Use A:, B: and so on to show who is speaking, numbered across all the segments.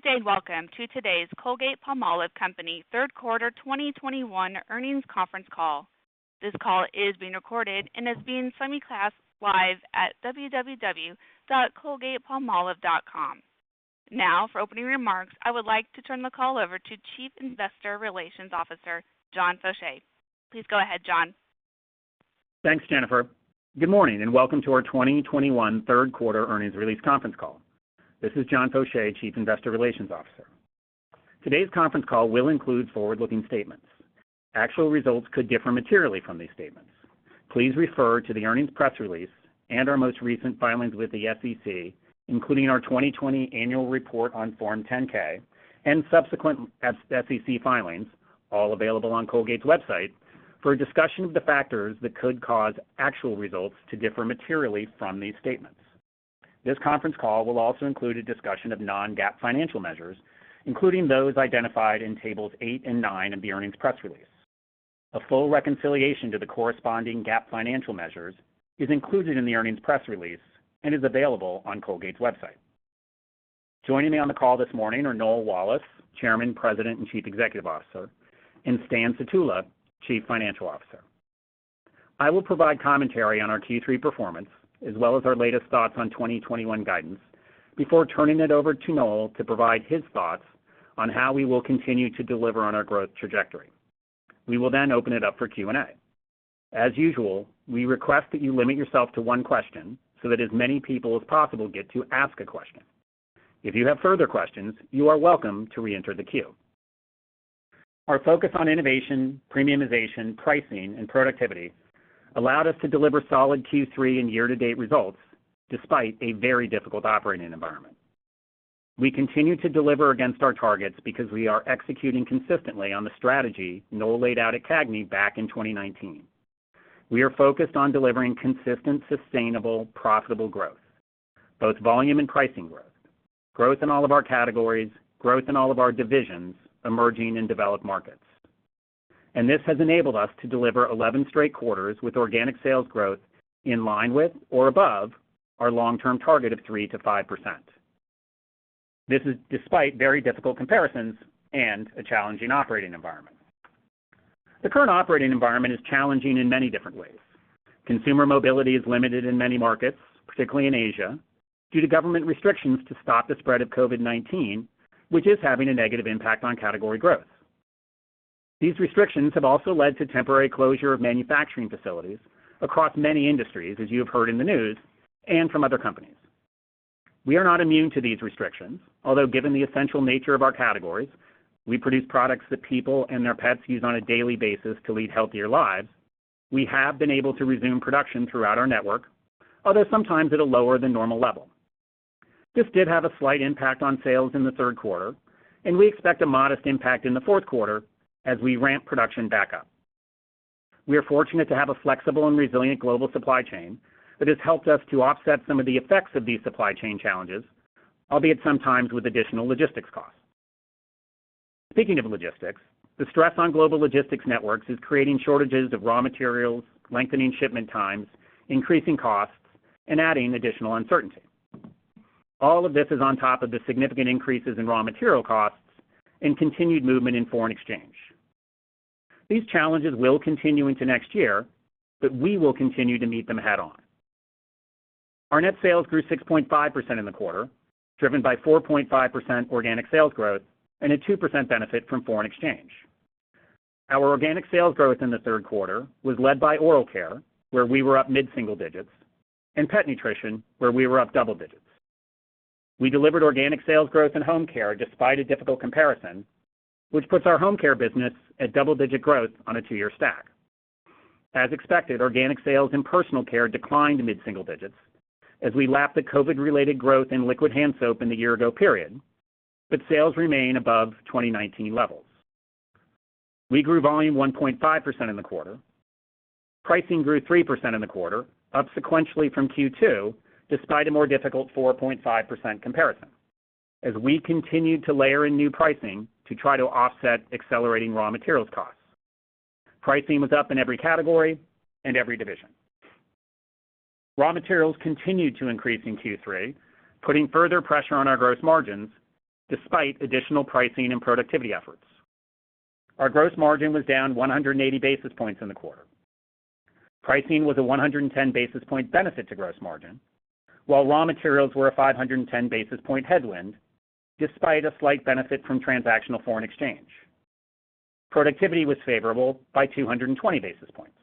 A: Good day and welcome to today's Colgate-Palmolive Company third quarter 2021 earnings conference call. This call is being recorded and is being simulcast live at www.colgatepalmolive.com. Now, for opening remarks, I would like to turn the call over to Chief Investor Relations Officer, John Faucher. Please go ahead, John.
B: Thanks, Jennifer. Good morning, and welcome to our 2021 third quarter earnings release conference call. This is John Faucher, Chief Investor Relations Officer. Today's conference call will include forward-looking statements. Actual results could differ materially from these statements. Please refer to the earnings press release and our most recent filings with the SEC, including our 2020 annual report on Form 10-K and subsequent SEC filings, all available on Colgate's website, for a discussion of the factors that could cause actual results to differ materially from these statements. This conference call will also include a discussion of Non-GAAP financial measures, including those identified in tables 8 and 9 of the earnings press release. A full reconciliation to the corresponding GAAP financial measures is included in the earnings press release and is available on Colgate's website. Joining me on the call this morning are Noel Wallace, Chairman, President, and Chief Executive Officer, and Stan Sutula, Chief Financial Officer. I will provide commentary on our Q3 performance, as well as our latest thoughts on 2021 guidance before turning it over to Noel to provide his thoughts on how we will continue to deliver on our growth trajectory. We will then open it up for Q&A. As usual, we request that you limit yourself to one question so that as many people as possible get to ask a question. If you have further questions, you are welcome to reenter the queue. Our focus on innovation, premiumization, pricing, and productivity allowed us to deliver solid Q3 and year-to-date results despite a very difficult operating environment. We continue to deliver against our targets because we are executing consistently on the strategy Noel laid out at CAGNY back in 2019. We are focused on delivering consistent, sustainable, profitable growth, both volume and pricing growth in all of our categories, growth in all of our divisions, emerging and developed markets. This has enabled us to deliver 11 straight quarters with organic sales growth in line with or above our long-term target of 3%-5%. This is despite very difficult comparisons and a challenging operating environment. The current operating environment is challenging in many different ways. Consumer mobility is limited in many markets, particularly in Asia, due to government restrictions to stop the spread of COVID-19, which is having a negative impact on category growth. These restrictions have also led to temporary closure of manufacturing facilities across many industries, as you have heard in the news and from other companies. We are not immune to these restrictions, although given the essential nature of our categories, we produce products that people and their pets use on a daily basis to lead healthier lives, we have been able to resume production throughout our network, although sometimes at a lower than normal level. This did have a slight impact on sales in the third quarter, and we expect a modest impact in the fourth 1/4 as we ramp production back up. We are fortunate to have a flexible and resilient global supply chain that has helped us to offset some of the effects of these supply chain challenges, albeit sometimes with additional logistics costs. Speaking of logistics, the stress on global logistics networks is creating shortages of raw materials, lengthening shipment times, increasing costs, and adding additional uncertainty. All of this is on top of the significant increases in raw material costs and continued movement in foreign exchange. These challenges will continue into next year, but we will continue to meet them head on. Our net sales grew 6.5% in the 1/4, driven by 4.5% organic sales growth and a 2% benefit from foreign exchange. Our organic sales growth in the third quarter was led by Oral Care, where we were up mid-single digits, and Pet Nutrition, where we were up double digits. We delivered organic sales growth in Home Care despite a difficult comparison, which puts our Home Care business at double-digit growth on a 2-year stack. As expected, organic sales in personal care declined mid-single digits% as we lapped the COVID-related growth in liquid hand soap in the year ago period, but sales remain above 2019 levels. We grew volume 1.5% in the 1/4. Pricing grew 3% in the 1/4, up sequentially from Q2, despite a more difficult 4.5% comparison as we continued to layer in new pricing to try to offset accelerating raw materials costs. Pricing was up in every category and every division. Raw materials continued to increase in Q3, putting further pressure on our gross margins despite additional pricing and productivity efforts. Our gross margin was down 180 basis points in the 1/4. Pricing was a 110 basis point benefit to gross margin, while raw materials were a 510 basis point headwind, despite a slight benefit from transactional foreign exchange. Productivity was favorable by 220 basis points.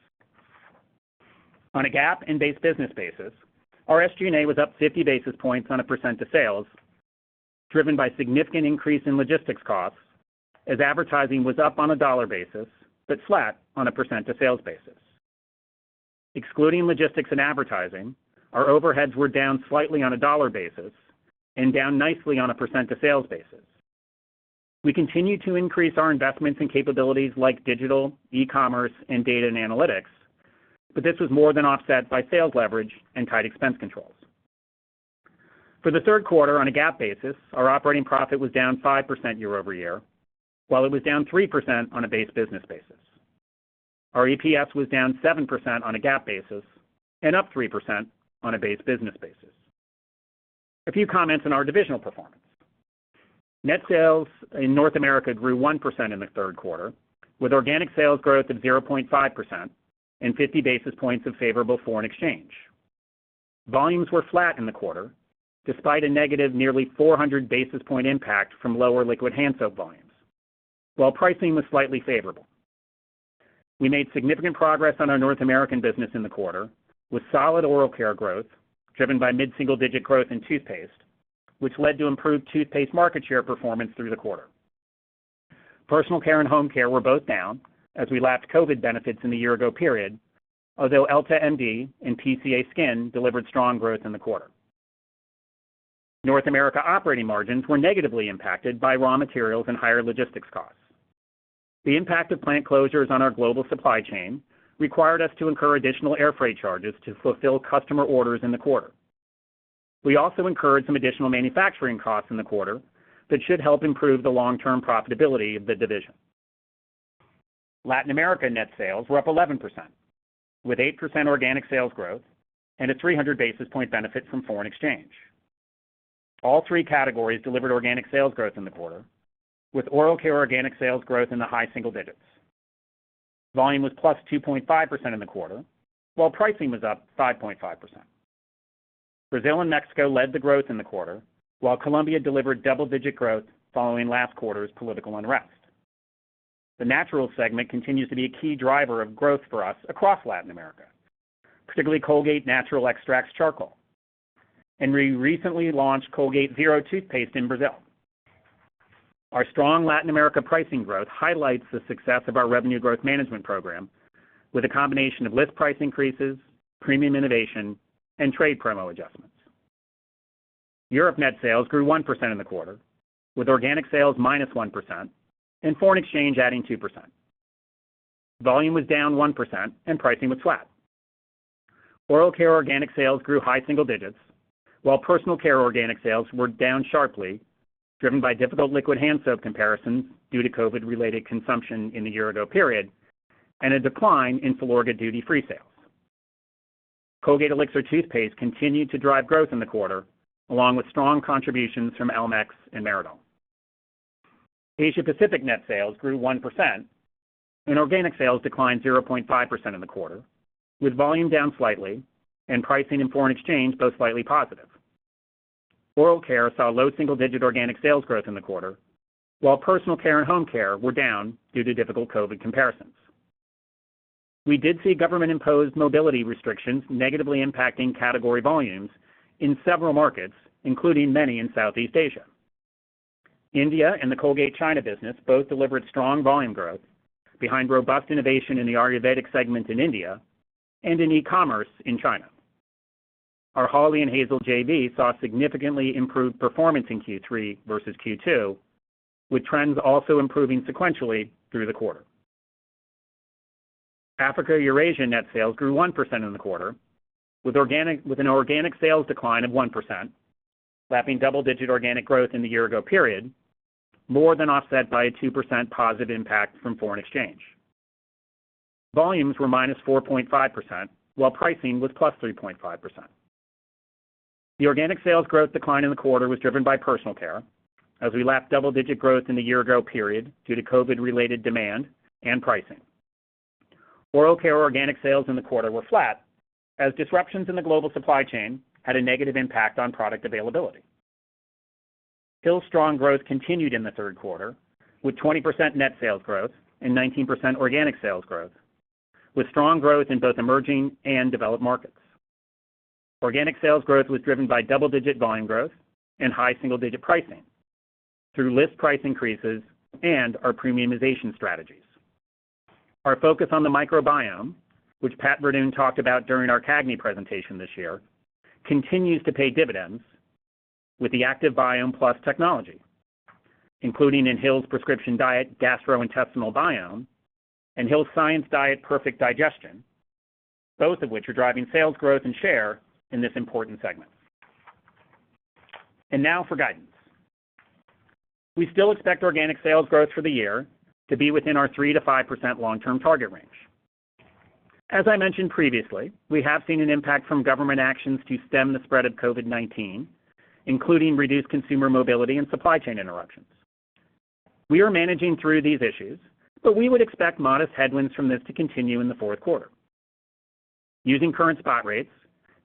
B: On a GAAP and base business basis, our SG&A was up 50 basis points on a % of sales, driven by significant increase in logistics costs as advertising was up on a dollar basis, but flat on a % of sales basis. Excluding logistics and advertising, our overheads were down slightly on a dollar basis and down nicely on a % of sales basis. We continue to increase our investments in capabilities like digital, e-commerce, and data and analytics, but this was more than offset by sales leverage and tight expense controls. For the third quarter on a GAAP basis, our operating profit was down 5% year-over-year, while it was down 3% on a base business basis. Our EPS was down 7% on a GAAP basis and up 3% on a base business basis. A few comments on our divisional performance. Net sales in North America grew 1% in the third quarter, with organic sales growth of 0.5% and 50 basis points of favorable foreign exchange. Volumes were flat in the 1/4, despite a negative nearly 400 basis point impact from lower liquid hand soap volumes, while pricing was slightly favorable. We made significant progress on our North American business in the 1/4, with solid oral care growth, driven by mid-single-digit growth in toothpaste, which led to improved toothpaste market share performance through the 1/4. Personal Care and Home Care were both down as we lapped COVID benefits in the year-ago period, although EltaMD and PCA Skin delivered strong growth in the 1/4. North America operating margins were negatively impacted by raw materials and higher logistics costs. The impact of plant closures on our global supply chain required us to incur additional air freight charges to fulfill customer orders in the 1/4. We also incurred some additional manufacturing costs in the 1/4 that should help improve the long-term profitability of the division. Latin America net sales were up 11%, with 8% organic sales growth and a 300 basis point benefit from foreign exchange. All 3 categories delivered organic sales growth in the 1/4, with oral care organic sales growth in the high single digits. Volume was +2.5% in the 1/4, while pricing was up 5.5%. Brazil and Mexico led the growth in the 1/4, while Colombia delivered double-digit growth following last 1/4's political unrest. The natural segment continues to be a key driver of growth for us across Latin America, particularly Colgate Natural Extracts Charcoal, and we recently launched Colgate Zero toothpaste in Brazil. Our strong Latin America pricing growth highlights the success of our revenue growth management program with a combination of list price increases, premium innovation, and trade promo adjustments. Europe net sales grew 1% in the 1/4, with organic sales -1% and foreign exchange adding 2%. Volume was down 1% and pricing was flat. Oral care organic sales grew high single digits while personal care organic sales were down sharply, driven by difficult liquid hand soap comparisons due to COVID-related consumption in the year-ago period and a decline in Filorga duty-free sales. Colgate Elixir toothpaste continued to drive growth in the 1/4, along with strong contributions from Elmex and Meridol. Asia Pacific net sales grew 1% and organic sales declined 0.5% in the 1/4, with volume down slightly and pricing and foreign exchange both slightly positive. Oral care saw low single-digit organic sales growth in the 1/4, while personal care and home care were down due to difficult COVID comparisons. We did see government-imposed mobility restrictions negatively impacting category volumes in several markets, including many in Southeast Asia. India and the Colgate China business both delivered strong volume growth behind robust innovation in the Ayurvedic segment in India and in e-commerce in China. Our Hawley & Hazel JV saw significantly improved performance in Q3 versus Q2, with trends also improving sequentially through the 1/4. Africa Eurasia net sales grew 1% in the 1/4, with an organic sales decline of 1%, lapping double-digit organic growth in the year-ago period, more than offset by a 2% positive impact from foreign exchange. Volumes were -4.5%, while pricing was +3.5%. The organic sales growth decline in the 1/4 was driven by personal care as we lapped double-digit growth in the year-ago period due to COVID-related demand and pricing. Oral care organic sales in the 1/4 were flat as disruptions in the global supply chain had a negative impact on product availability. Hill's strong growth continued in the third quarter, with 20% net sales growth and 19% organic sales growth, with strong growth in both emerging and developed markets. Organic sales growth was driven by double-digit volume growth and high single-digit pricing through list price increases and our premiumization strategies. Our focus on the microbiome, which Pat Verduin talked about during our CAGNY presentation this year, continues to pay dividends with the ActivBiome+ technology, including in Hill's Prescription Diet Gastrointestinal Biome and Hill's Science Diet Perfect Digestion, both of which are driving sales growth and share in this important segment. Now for guidance. We still expect organic sales growth for the year to be within our 3%-5% long-term target range. As I mentioned previously, we have seen an impact from government actions to stem the spread of COVID-19, including reduced consumer mobility and supply chain interruptions. We are managing through these issues, but we would expect modest headwinds from this to continue in the fourth 1/4. Using current spot rates,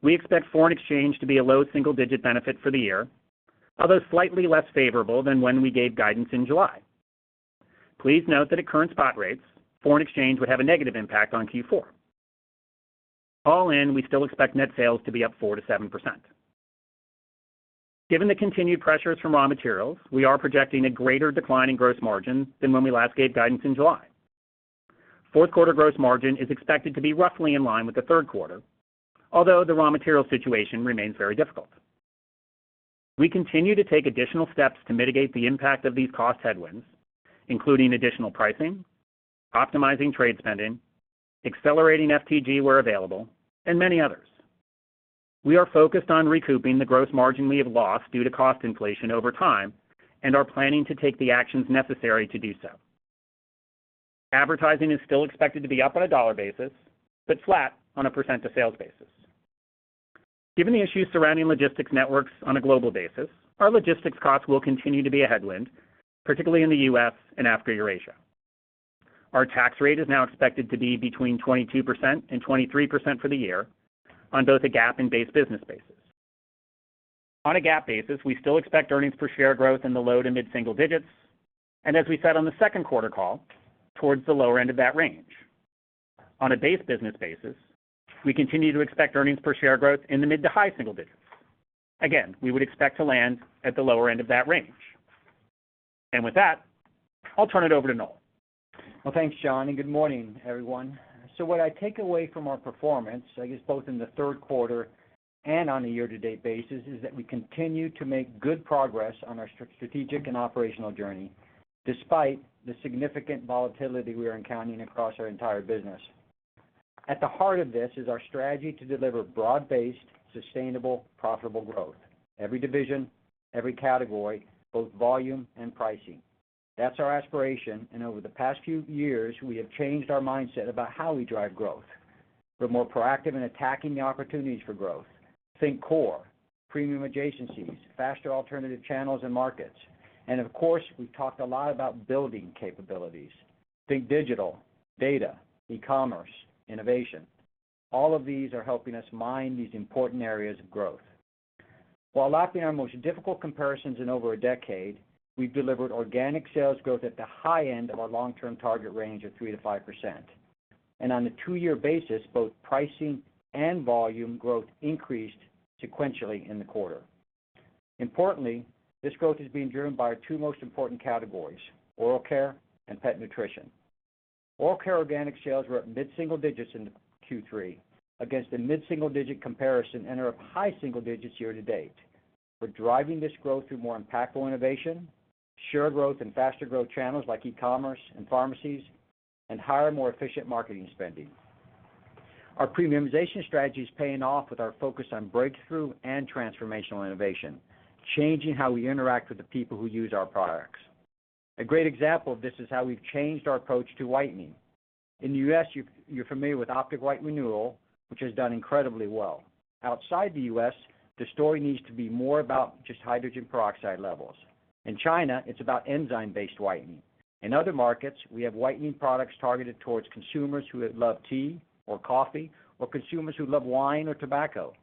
B: we expect foreign exchange to be a low single-digit benefit for the year, although slightly less favorable than when we gave guidance in July. Please note that at current spot rates, foreign exchange would have a negative impact on Q4. All in, we still expect net sales to be up 4%-7%. Given the continued pressures from raw materials, we are projecting a greater decline in gross margins than when we last gave guidance in July. Fourth 1/4 gross margin is expected to be roughly in line with the third quarter, although the raw material situation remains very difficult. We continue to take additional steps to mitigate the impact of these cost headwinds, including additional pricing, optimizing trade spending, accelerating FTG where available, and many others. We are focused on recouping the gross margin we have lost due to cost inflation over time and are planning to take the actions necessary to do so. Advertising is still expected to be up on a dollar basis, but flat on a percent of sales basis. Given the issues surrounding logistics networks on a global basis, our logistics costs will continue to be a headwind, particularly in the U.S. and Africa/Eurasia. Our tax rate is now expected to be between 22% and 23% for the year on both a GAAP and base business basis. On a GAAP basis, we still expect earnings per share growth in the low to mid-single digits, and as we said on the second 1/4 call, towards the lower end of that range. On a base business basis, we continue to expect earnings per share growth in the mid to high single digits. Again, we would expect to land at the lower end of that range. With that, I'll turn it over to Noel.
C: Well, thanks, John, and good morning, everyone. What I take away from our performance, I guess both in the third quarter and on a year-to-date basis, is that we continue to make good progress on our strategic and operational journey despite the significant volatility we are encountering across our entire business. At the heart of this is our strategy to deliver broad-based, sustainable, profitable growth. Every division, every category, both volume and pricing. That's our aspiration, and over the past few years, we have changed our mindset about how we drive growth. We're more proactive in attacking the opportunities for growth. Think core, premium adjacencies, faster alternative channels and markets. Of course, we've talked a lot about building capabilities. Think digital, data, e-commerce, innovation. All of these are helping us mine these important areas of growth. While lapping our most difficult comparisons in over a decade, we've delivered organic sales growth at the high end of our long-term target range of 3%-5%. On a 2-year basis, both pricing and volume growth increased sequentially in the 1/4. Importantly, this growth is being driven by our 2 most important categories, oral care and pet nutrition. Oral care organic sales were up mid-single digits in Q3 against a mid-single-digit comparison and are up high single digits year to date. We're driving this growth through more impactful innovation, share growth in faster growth channels like e-commerce and pharmacies, and higher, more efficient marketing spending. Our premiumization strategy is paying off with our focus on breakthrough and transformational innovation, changing how we interact with the people who use our products. A great example of this is how we've changed our approach to whitening. In the U.S., you're familiar with Optic White Renewal, which has done incredibly well. Outside the U.S., the story needs to be more about just hydrogen peroxide levels. In China, it's about enzyme-based whitening. In other markets, we have whitening products targeted towards consumers who love tea or coffee or consumers who love wine or tobacco.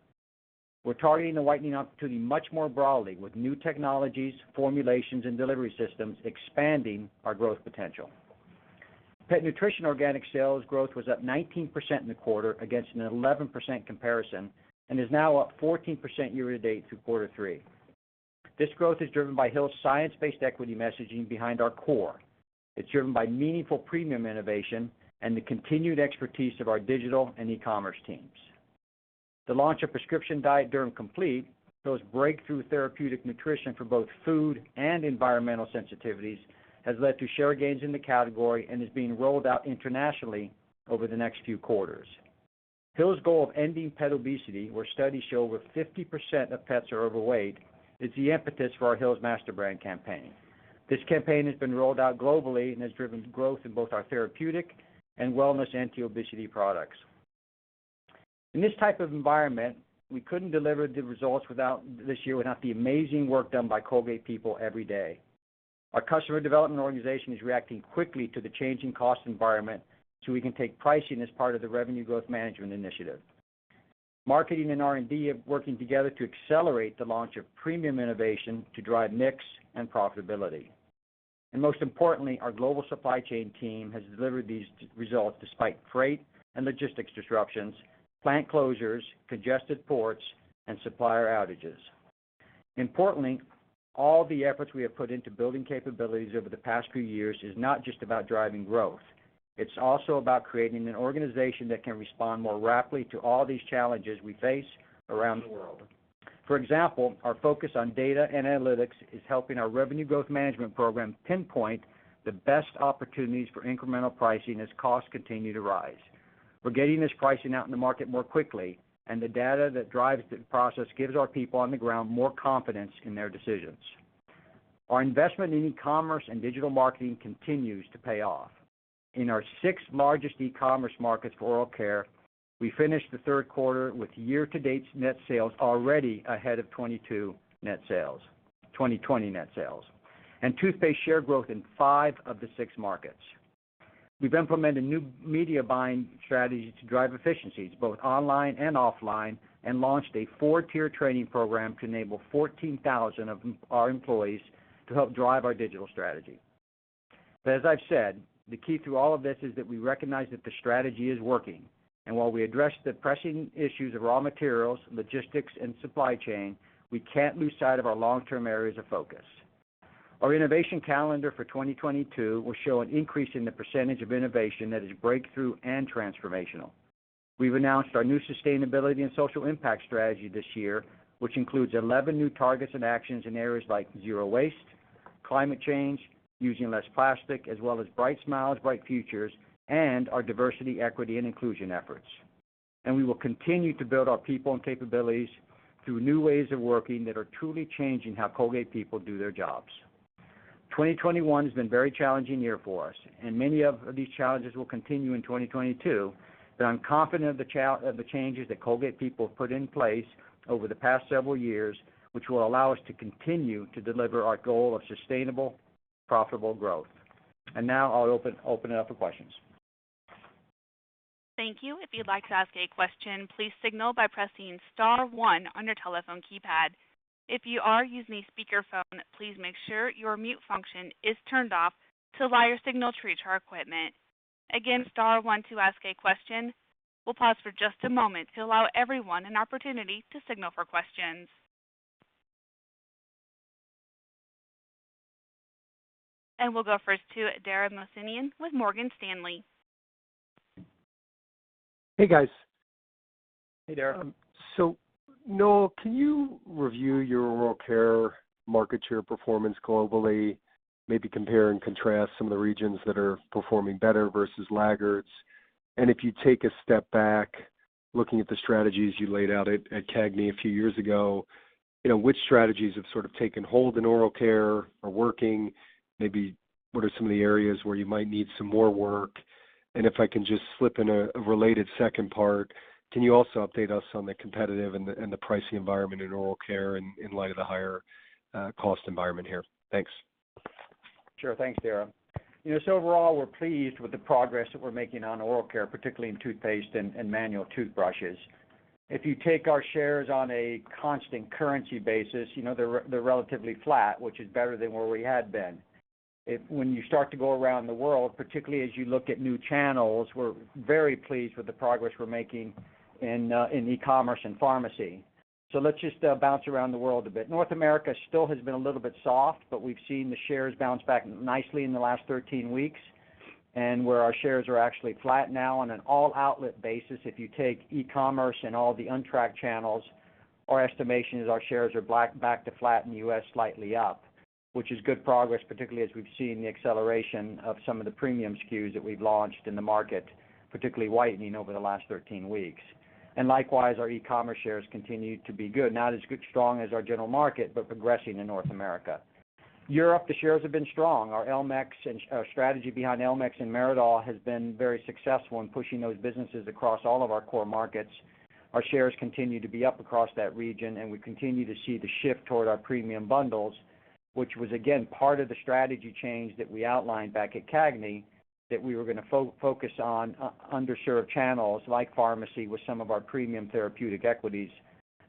C: We're targeting the whitening opportunity much more broadly with new technologies, formulations, and delivery systems expanding our growth potential. Pet Nutrition organic sales growth was up 19% in the 1/4 against an 11% comparison and is now up 14% year to date through 1/4 3. This growth is driven by Hill's science-based equity messaging behind our core. It's driven by meaningful premium innovation and the continued expertise of our digital and e-commerce teams. The launch of Hill's Prescription Diet Derm Complete, Hill's breakthrough therapeutic nutrition for both food and environmental sensitivities, has led to share gains in the category and is being rolled out internationally over the next few quarters. Hill's goal of ending pet obesity, where studies show over 50% of pets are overweight, is the impetus for our Hill's master brand campaign. This campaign has been rolled out globally and has driven growth in both our therapeutic and wellness anti-obesity products. In this type of environment, we couldn't deliver the results this year without the amazing work done by Colgate people every day. Our customer development organization is reacting quickly to the changing cost environment so we can take pricing as part of the revenue growth management initiative. Marketing and R&D are working together to accelerate the launch of premium innovation to drive mix and profitability. Most importantly, our global supply chain team has delivered these results despite freight and logistics disruptions, plant closures, congested ports, and supplier outages. Importantly, all the efforts we have put into building capabilities over the past few years is not just about driving growth. It's also about creating an organization that can respond more rapidly to all these challenges we face around the world. For example, our focus on data and analytics is helping our revenue growth management program pinpoint the best opportunities for incremental pricing as costs continue to rise. We're getting this pricing out in the market more quickly, and the data that drives the process gives our people on the ground more confidence in their decisions. Our investment in e-commerce and digital marketing continues to pay off. In our 6 largest e-commerce markets for oral care, we finished the third quarter with year-to-date net sales already ahead of 2020 net sales, and toothpaste share growth in 5 of the 6 markets. We've implemented new media buying strategies to drive efficiencies both online and offline, and launched a 4-tier training program to enable 14,000 of our employees to help drive our digital strategy. As I've said, the key to all of this is that we recognize that the strategy is working. While we address the pressing issues of raw materials, logistics, and supply chain, we can't lose sight of our long-term areas of focus. Our innovation calendar for 2022 will show an increase in the percentage of innovation that is breakthrough and transformational. We've announced our new sustainability and social impact strategy this year, which includes 11 new targets and actions in areas like zero waste, climate change, using less plastic, as well as Bright Smiles, Bright Futures, and our diversity, equity, and inclusion efforts. We will continue to build our people and capabilities through new ways of working that are truly changing how Colgate people do their jobs. 2021 has been very challenging year for us, and many of these challenges will continue in 2022, but I'm confident that the changes that Colgate people have put in place over the past several years, which will allow us to continue to deliver our goal of sustainable, profitable growth. Now I'll open it up for questions.
A: Thank you. If you'd like to ask a question, please signal by pressing star one on your telephone keypad. If you are using a speakerphone, please make sure your mute function is turned off to allow your signal to reach our equipment. Again, star one to ask a question. We'll pause for just a moment to allow everyone an opportunity to signal for questions. We'll go first to Dara Mohsenian with Morgan Stanley.
D: Hey, guys.
C: Hey, Dara.
D: Noel, can you review your Oral Care market share performance globally, maybe compare and contrast some of the regions that are performing better versus laggards? If you take a step back, looking at the strategies you laid out at CAGNY a few years ago, you know, which strategies have sort of taken hold in Oral Care, are working? Maybe what are some of the areas where you might need some more work? If I can just slip in a related second part, can you also update us on the competitive and the pricing environment in Oral Care in light of the higher cost environment here? Thanks.
C: Sure. Thanks, Dara. You know, overall, we're pleased with the progress that we're making on Oral Care, particularly in toothpaste and manual toothbrushes. If you take our shares on a constant currency basis, you know, they're relatively flat, which is better than where we had been. When you start to go around the world, particularly as you look at new channels, we're very pleased with the progress we're making in e-commerce and pharmacy. Let's just bounce around the world a bit. North America still has been a little bit soft, but we've seen the shares bounce back nicely in the last 13 weeks. Where our shares are actually flat now on an all-outlet basis, if you take e-commerce and all the untracked channels, our estimation is our shares are back to flat in the U.S., slightly up, which is good progress, particularly as we've seen the acceleration of some of the premium SKUs that we've launched in the market, particularly whitening over the last 13 weeks. Likewise, our e-commerce shares continue to be good. Not as strong as our general market, but progressing in North America. Europe, the shares have been strong. Our strategy behind Elmex and Meridol has been very successful in pushing those businesses across all of our core markets. Our shares continue to be up across that region, and we continue to see the shift toward our premium bundles, which was, again, part of the strategy change that we outlined back at CAGNY that we were gonna focus on underserved channels like pharmacy with some of our premium therapeutic equities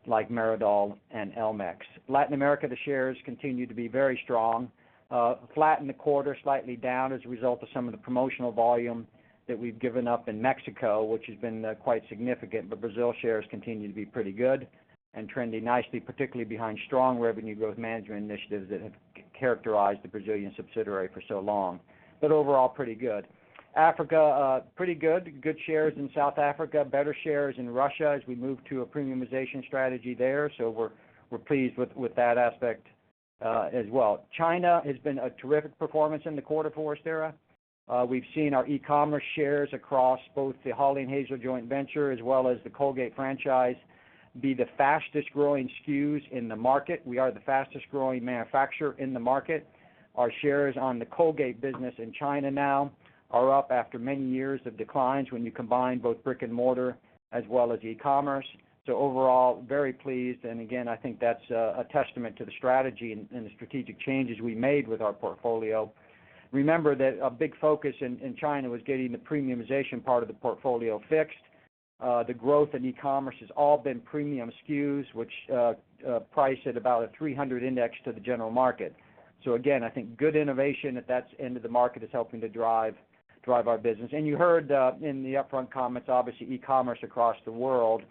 C: like Meridol and Elmex. Latin America, the shares continue to be very strong. Flat in the 1/4, slightly down as a result of some of the promotional volume that we've given up in Mexico, which has been quite significant. Brazil shares continue to be pretty good and trending nicely, particularly behind strong revenue growth management initiatives that have characterized the Brazilian subsidiary for so long. Overall, pretty good. Africa, pretty good. Good shares in South Africa, better shares in Russia as we move to a premiumization strategy there. We're pleased with that aspect as well. China has been a terrific performance in the 1/4 for us, Dara. We've seen our e-commerce shares across both the Hawley & Hazel joint venture as well as the Colgate franchise be the fastest growing SKUs in the market. We are the fastest growing manufacturer in the market. Our shares on the Colgate business in China now are up after many years of declines when you combine both brick and mortar as well as e-commerce. Overall, very pleased. Again, I think that's a testament to the strategy and the strategic changes we made with our portfolio. Remember that a big focus in China was getting the premiumization part of the portfolio fixed. The growth in e-commerce has all been premium SKUs, which price at about a 300 index to the general market. Again, I think good innovation at that end of the market is helping to drive our business. You heard in the upfront comments, obviously, e-commerce across the world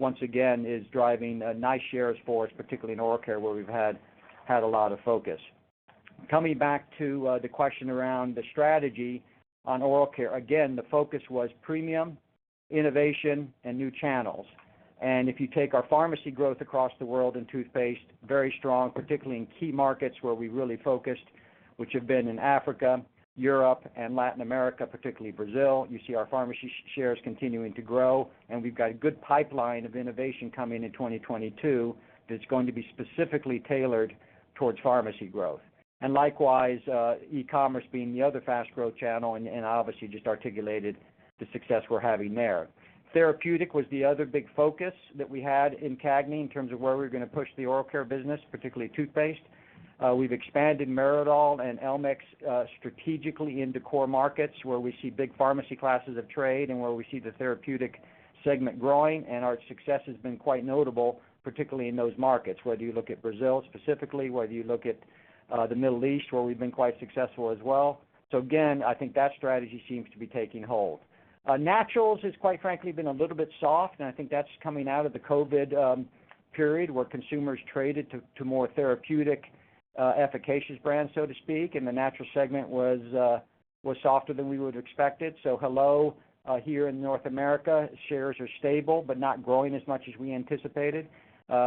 C: once again is driving nice shares for us, particularly in Oral Care, where we've had a lot of focus. Coming back to the question around the strategy on Oral Care, again, the focus was premium, innovation, and new channels. If you take our pharmacy growth across the world in toothpaste, very strong, particularly in key markets where we really focused, which have been in Africa, Europe, and Latin America, particularly Brazil. You see our pharmacy shares continuing to grow, and we've got a good pipeline of innovation coming in 2022 that's going to be specifically tailored towards pharmacy growth. Likewise, e-commerce being the other fast growth channel and obviously just articulated the success we're having there. Therapeutic was the other big focus that we had in CAGNY in terms of where we were gonna push the Oral Care business, particularly toothpaste. We've expanded Meridol and Elmex strategically into core markets where we see big pharmacy classes of trade and where we see the therapeutic segment growing, and our success has been quite notable, particularly in those markets, whether you look at Brazil specifically, whether you look at the Middle East, where we've been quite successful as well. Again, I think that strategy seems to be taking hold. Naturals has quite frankly been a little bit soft, and I think that's coming out of the COVID period where consumers traded to more therapeutic efficacious brands, so to speak, and the natural segment was softer than we would expect it. Hello here in North America, shares are stable but not growing as much as we anticipated.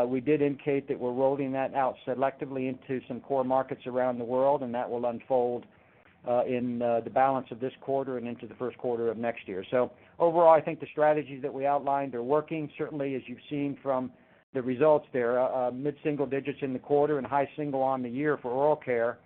C: We did indicate that we're rolling that out selectively into some core markets around the world, and that will unfold in the balance of this 1/4 and into the first 1/4 of next year. Overall, I think the strategies that we outlined are working, certainly as you've seen from the results there. Mid-single digits in the 1/4 and high single on the year for oral care,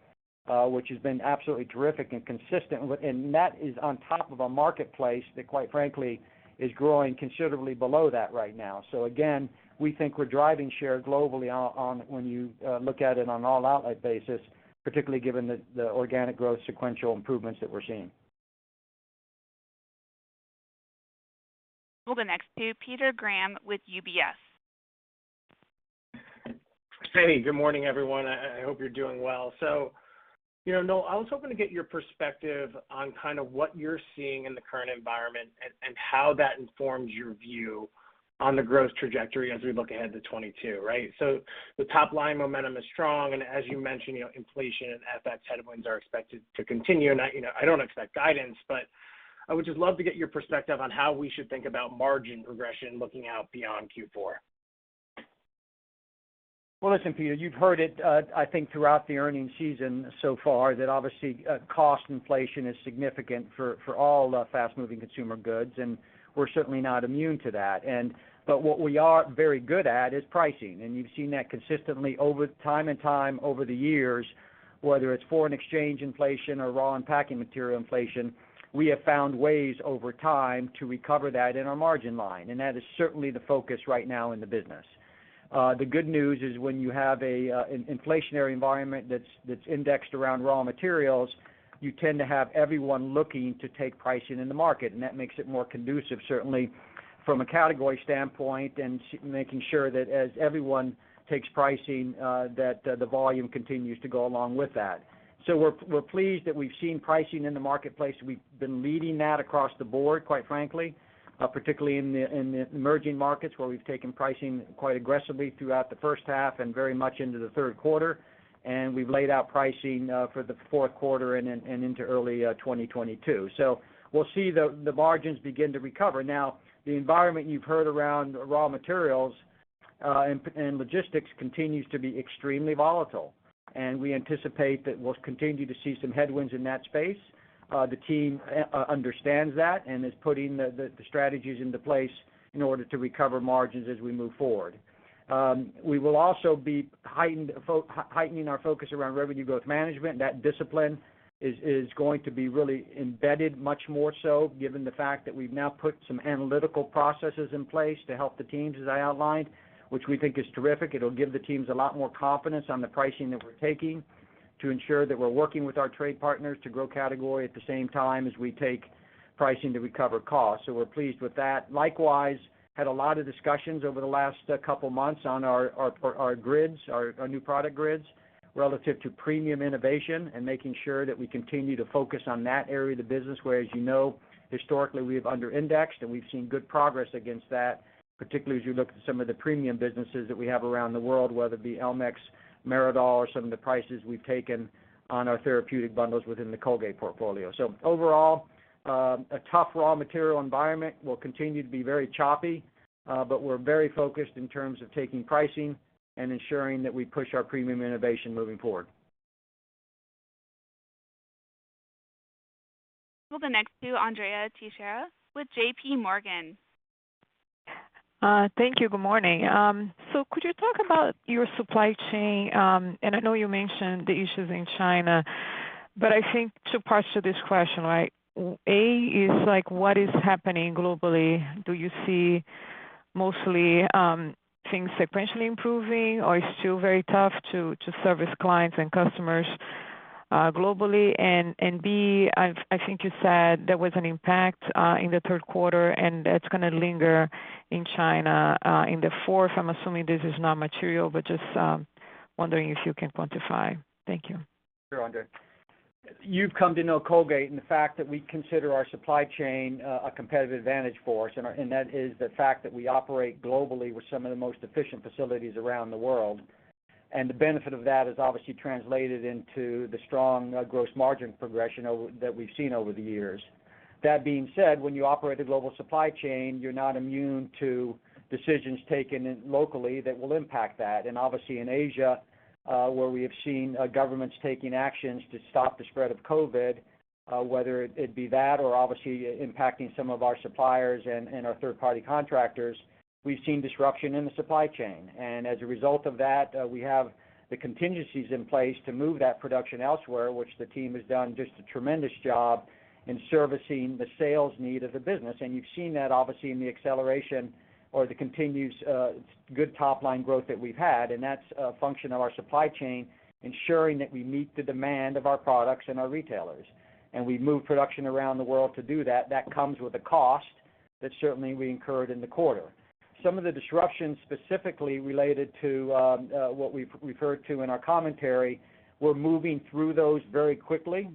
C: which has been absolutely terrific and consistent. That is on top of a marketplace that quite frankly is growing considerably below that right now. Again, we think we're driving share globally on, when you look at it on all outlet basis, particularly given the organic growth sequential improvements that we're seeing.
A: We'll be next to Peter Grom with UBS.
E: Hey. Good morning, everyone. I hope you're doing well. You know, Noel, I was hoping to get your perspective on kind of what you're seeing in the current environment and how that informs your view on the growth trajectory as we look ahead to 2022, right? The top line momentum is strong, and as you mentioned, you know, inflation and FX headwinds are expected to continue. I, you know, I don't expect guidance, but I would just love to get your perspective on how we should think about margin progression looking out beyond Q4.
C: Well, listen, Peter, you've heard it, I think throughout the earnings season so far that obviously, cost inflation is significant for all fast-moving consumer goods, and we're certainly not immune to that. What we are very good at is pricing. You've seen that consistently over time and time, over the years, whether it's foreign exchange inflation or raw and packaging material inflation, we have found ways over time to recover that in our margin line. That is certainly the focus right now in the business. The good news is when you have an inflationary environment that's indexed around raw materials, you tend to have everyone looking to take pricing in the market. That makes it more conducive, certainly from a category standpoint and making sure that as everyone takes pricing, that the volume continues to go along with that. We're pleased that we've seen pricing in the marketplace. We've been leading that across the board, quite frankly, particularly in the emerging markets, where we've taken pricing quite aggressively throughout the first 1/2 and very much into the third quarter. We've laid out pricing for the fourth 1/4 and then into early 2022. We'll see the margins begin to recover. Now, the environment you've heard around raw materials and logistics continues to be extremely volatile. We anticipate that we'll continue to see some headwinds in that space. The team understands that and is putting the strategies into place in order to recover margins as we move forward. We will also be heightening our focus around revenue growth management. That discipline is going to be really embedded much more so given the fact that we've now put some analytical processes in place to help the teams, as I outlined, which we think is terrific. It'll give the teams a lot more confidence on the pricing that we're taking to ensure that we're working with our trade partners to grow category at the same time as we take pricing to recover costs. We're pleased with that. We likewise had a lot of discussions over the last couple months on our new product grids relative to premium innovation and making sure that we continue to focus on that area of the business where, as you know, historically, we have under indexed and we've seen good progress against that, particularly as you look at some of the premium businesses that we have around the world, whether it be Elmex, Meridol, or some of the prices we've taken on our therapeutic bundles within the Colgate portfolio. Overall, a tough raw material environment will continue to be very choppy, but we're very focused in terms of taking pricing and ensuring that we push our premium innovation moving forward.
A: We'll be next to Andrea Teixeira with JPMorgan.
F: Thank you. Good morning. So could you talk about your supply chain? I know you mentioned the issues in China, but I think 2 parts to this question, right? A, is like what is happening globally? Do you see mostly things sequentially improving, or it's still very tough to service clients and customers globally? And B, I think you said there was an impact in the third quarter, and that's gonna linger in China in the fourth. I'm assuming this is not material, but just wondering if you can quantify. Thank you.
C: Sure, Andrea. You've come to know Colgate and the fact that we consider our supply chain a competitive advantage for us, and that is the fact that we operate globally with some of the most efficient facilities around the world. The benefit of that is obviously translated into the strong gross margin progression that we've seen over the years. That being said, when you operate a global supply chain, you're not immune to decisions taken locally that will impact that. Obviously, in Asia, where we have seen governments taking actions to stop the spread of COVID, whether it be that or obviously impacting some of our suppliers and our 1/3-party contractors, we've seen disruption in the supply chain. As a result of that, we have the contingencies in place to move that production elsewhere, which the team has done just a tremendous job in servicing the sales need of the business. You've seen that obviously in the acceleration or the continuous, good top line growth that we've had, and that's a function of our supply chain, ensuring that we meet the demand of our products and our retailers. We move production around the world to do that. That comes with a cost. That certainly we incurred in the 1/4. Some of the disruptions specifically related to what we've referred to in our commentary, we're moving through those very quickly.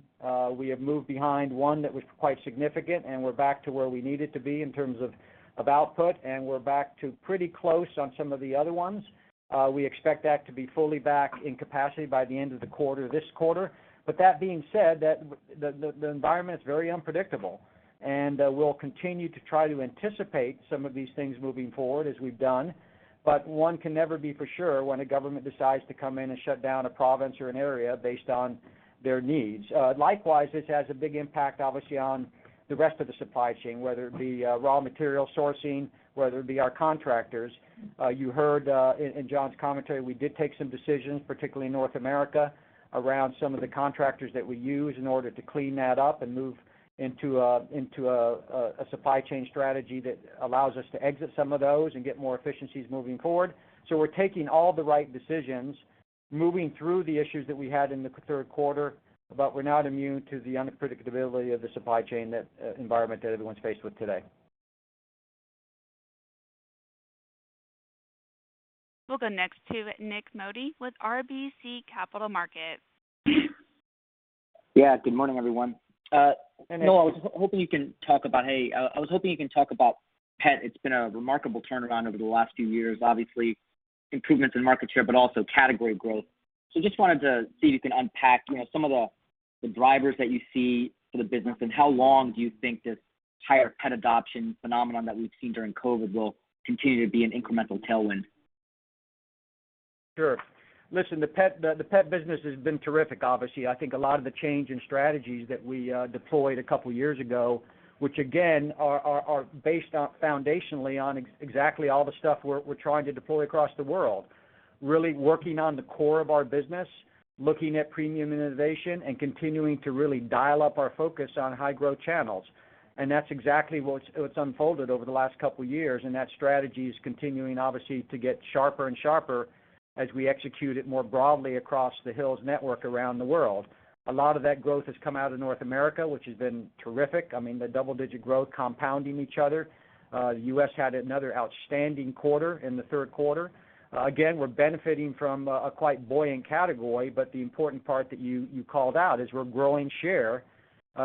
C: We have moved behind one that was quite significant, and we're back to where we needed to be in terms of of output, and we're back to pretty close on some of the other ones. We expect that to be fully back in capacity by the end of the 1/4, this 1/4. That being said, the environment is very unpredictable, and we'll continue to try to anticipate some of these things moving forward as we've done. One can never be for sure when a government decides to come in and shut down a province or an area based on their needs. Likewise, this has a big impact obviously on the rest of the supply chain, whether it be raw material sourcing, whether it be our contractors. You heard in John's commentary, we did take some decisions, particularly in North America, around some of the contractors that we use in order to clean that up and move into a supply chain strategy that allows us to exit some of those and get more efficiencies moving forward. We're taking all the right decisions, moving through the issues that we had in the third quarter, but we're not immune to the unpredictability of the supply chain environment that everyone's faced with today.
A: We'll go next to Nik Modi with RBC Capital Markets.
G: Yeah, good morning, everyone.
C: Hey, Nik.
G: Noel, I was hoping you can talk about pet. It's been a remarkable turnaround over the last few years. Obviously, improvements in market share, but also category growth. Just wanted to see if you can unpack, you know, some of the drivers that you see for the business and how long do you think this higher pet adoption phenomenon that we've seen during COVID will continue to be an incremental tailwind.
C: Sure. Listen, the pet business has been terrific, obviously. I think a lot of the change in strategies that we deployed a couple of years ago, which again are based foundationally on exactly all the stuff we're trying to deploy across the world, really working on the core of our business, looking at premium innovation and continuing to really dial up our focus on high growth channels. That's exactly what's unfolded over the last couple of years, and that strategy is continuing, obviously, to get sharper and sharper as we execute it more broadly across the Hill's network around the world. A lot of that growth has come out of North America, which has been terrific. I mean, the double-digit growth compounding each 1/4. U.S. had another outstanding 1/4 in the third quarter. Again, we're benefiting from a quite buoyant category, but the important part that you called out is we're growing share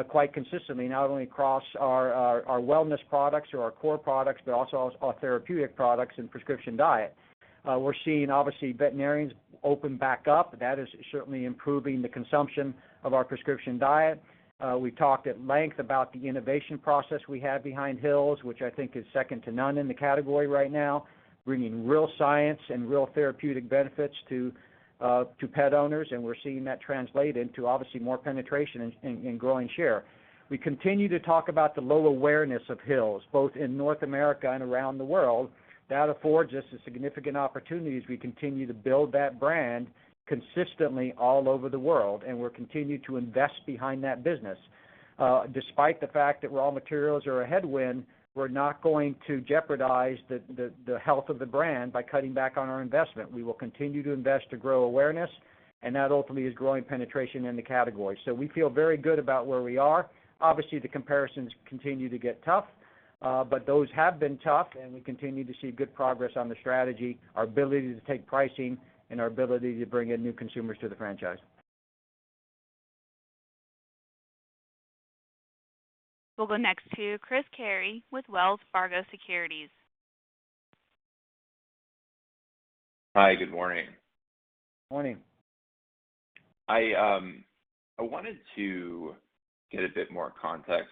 C: quite consistently, not only across our wellness products or our core products, but also our therapeutic products and Prescription Diet. We're seeing obviously veterinarians open back up. That is certainly improving the consumption of our Prescription Diet. We talked at length about the innovation process we have behind Hill's, which I think is second to none in the category right now, bringing real science and real therapeutic benefits to pet owners, and we're seeing that translate into obviously more penetration in growing share. We continue to talk about the low awareness of Hill's, both in North America and around the world. That affords us a significant opportunity as we continue to build that brand consistently all over the world, and we're continuing to invest behind that business. Despite the fact that raw materials are a headwind, we're not going to jeopardize the health of the brand by cutting back on our investment. We will continue to invest to grow awareness, and that ultimately is growing penetration in the category. We feel very good about where we are. Obviously, the comparisons continue to get tough, but those have been tough, and we continue to see good progress on the strategy, our ability to take pricing, and our ability to bring in new consumers to the franchise.
A: We'll go next to Chris Carey with Wells Fargo Securities.
H: Hi, good morning.
C: Morning.
H: I wanted to get a bit more context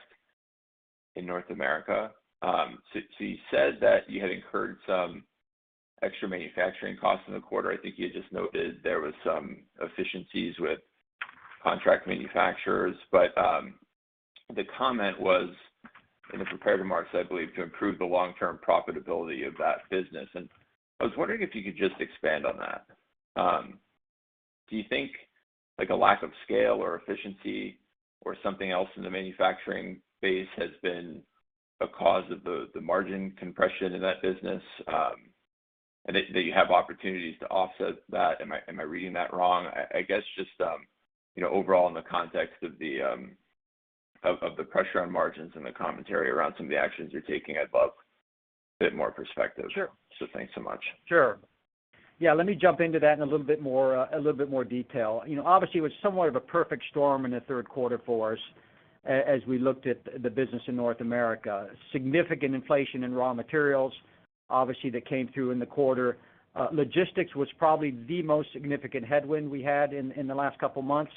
H: in North America. You said that you had incurred some extra manufacturing costs in the 1/4. I think you just noted there was some efficiencies with contract manufacturers. The comment was, in the prepared remarks, I believe, to improve the long-term profitability of that business. I was wondering if you could just expand on that. Do you think like a lack of scale or efficiency or something else in the manufacturing base has been a cause of the margin compression in that business, and that you have opportunities to offset that? Am I reading that wrong? I guess just, you know, overall in the context of the pressure on margins and the commentary around some of the actions you're taking, I'd love a bit more perspective.
C: Sure.
H: Thanks so much.
C: Sure. Yeah, let me jump into that in a little bit more detail. You know, obviously it was somewhat of a perfect storm in the third quarter for us as we looked at the business in North America. Significant inflation in raw materials, obviously, that came through in the 1/4. Logistics was probably the most significant headwind we had in the last couple of months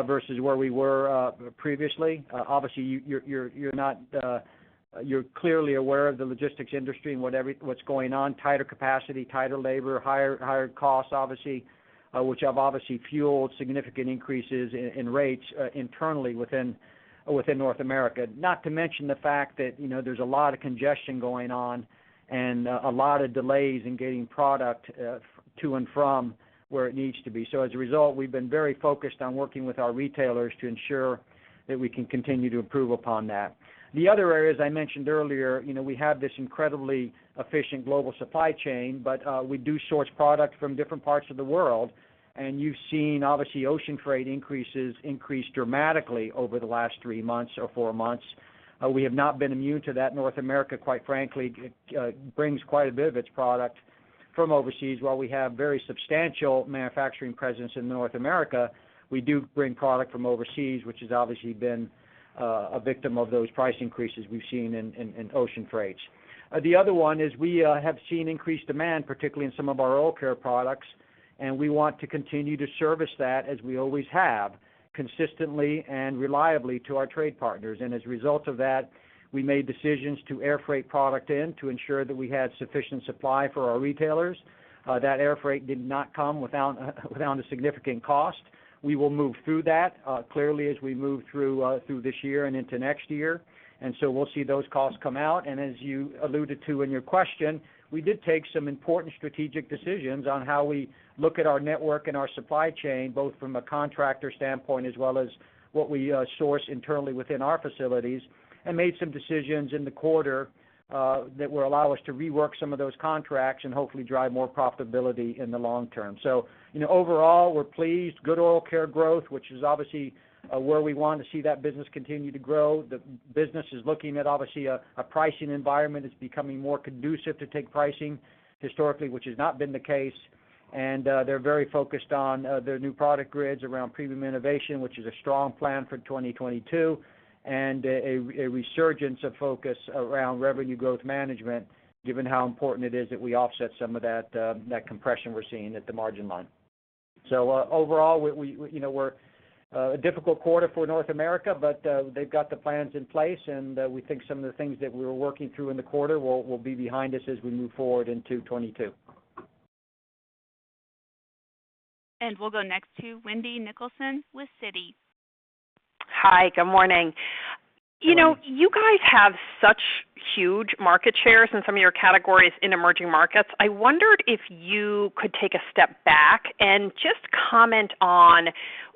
C: versus where we were previously. Obviously, you're clearly aware of the logistics industry and what's going on, tighter capacity, tighter labor, higher costs, obviously, which have obviously fueled significant increases in rates internally within North America. Not to mention the fact that, you know, there's a lot of congestion going on and a lot of delays in getting product to and from where it needs to be. As a result, we've been very focused on working with our retailers to ensure that we can continue to improve upon that. The other area, as I mentioned earlier, you know, we have this incredibly efficient global supply chain, but we do source product from different parts of the world. You've seen obviously ocean trade increases increase dramatically over the last 3 months or 4 months. We have not been immune to that. North America, quite frankly, brings quite a bit of its product from overseas. While we have very substantial manufacturing presence in North America, we do bring product from overseas, which has obviously been a victim of those price increases we've seen in ocean freights. The other one is we have seen increased demand, particularly in some of our oral care products, and we want to continue to service that as we always have, consistently and reliably to our trade partners. As a result of that, we made decisions to air freight product in to ensure that we had sufficient supply for our retailers. That air freight did not come without a significant cost. We will move through that, clearly as we move through this year and into next year. We'll see those costs come out. As you alluded to in your question, we did take some important strategic decisions on how we look at our network and our supply chain, both from a contractor standpoint as well as what we source internally within our facilities, and made some decisions in the 1/4 that will allow us to rework some of those contracts and hopefully drive more profitability in the long term. You know, overall, we're pleased. Good oral care growth, which is obviously where we want to see that business continue to grow. The business is looking at, obviously, a pricing environment that's becoming more conducive to take pricing historically, which has not been the case. They're very focused on their new product grids around premium innovation, which is a strong plan for 2022, and a resurgence of focus around revenue growth management, given how important it is that we offset some of that compression we're seeing at the margin line. Overall, you know, it was a difficult 1/4 for North America, but they've got the plans in place, and we think some of the things that we were working through in the 1/4 will be behind us as we move forward into 2022.
A: We'll go next to Wendy Nicholson with Citi.
I: Hi, good morning.
C: Good morning.
I: You know, you guys have such huge market shares in some of your categories in emerging markets. I wondered if you could take a step back and just comment on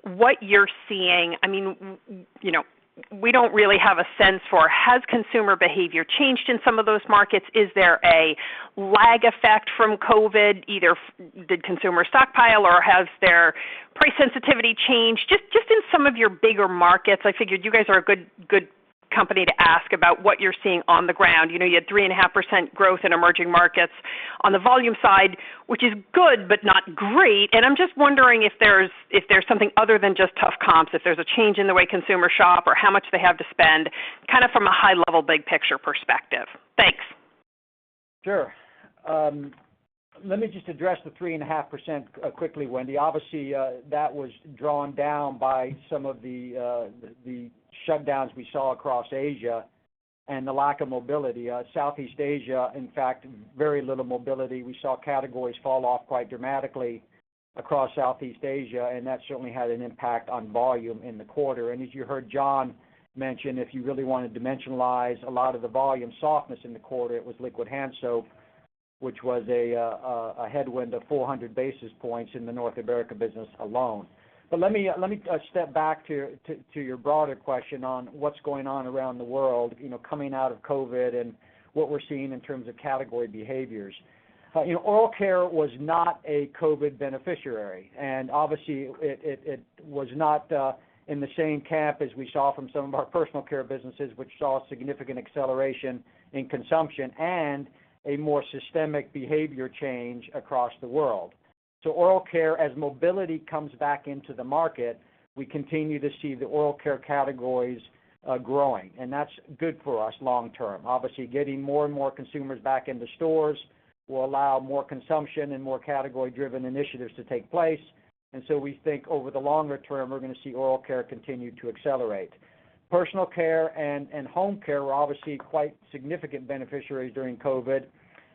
I: what you're seeing. I mean, you know, we don't really have a sense for has consumer behavior changed in some of those markets? Is there a lag effect from COVID? Either did consumer stockpile or has their price sensitivity changed? Just in some of your bigger markets, I figured you guys are a good company to ask about what you're seeing on the ground. You know, you had 3.5% growth in emerging markets on the volume side, which is good, but not great. I'm just wondering if there's something other than just tough comps, if there's a change in the way consumers shop or how much they have to spend, kind of from a high level, big picture perspective. Thanks.
C: Sure. Let me just address the 3.5%, quickly, Wendy. Obviously, that was drawn down by some of the shutdowns we saw across Asia and the lack of mobility. Southeast Asia, in fact, very little mobility. We saw categories fall off quite dramatically across Southeast Asia, and that certainly had an impact on volume in the 1/4. As you heard John mention, if you really want to dimensionalize a lot of the volume softness in the 1/4, it was liquid hand soap, which was a headwind of 400 basis points in the North America business alone. Let me step back to your broader question on what's going on around the world, you know, coming out of COVID and what we're seeing in terms of category behaviors. You know, oral care was not a COVID beneficiary, and obviously it was not in the same camp as we saw from some of our personal care businesses, which saw significant acceleration in consumption and a more systemic behavior change across the world. Oral care, as mobility comes back into the market, we continue to see the oral care categories growing, and that's good for us long term. Obviously, getting more and more consumers back into stores will allow more consumption and more category-driven initiatives to take place. We think over the longer term, we're gonna see oral care continue to accelerate. Personal care and home care were obviously quite significant beneficiaries during COVID.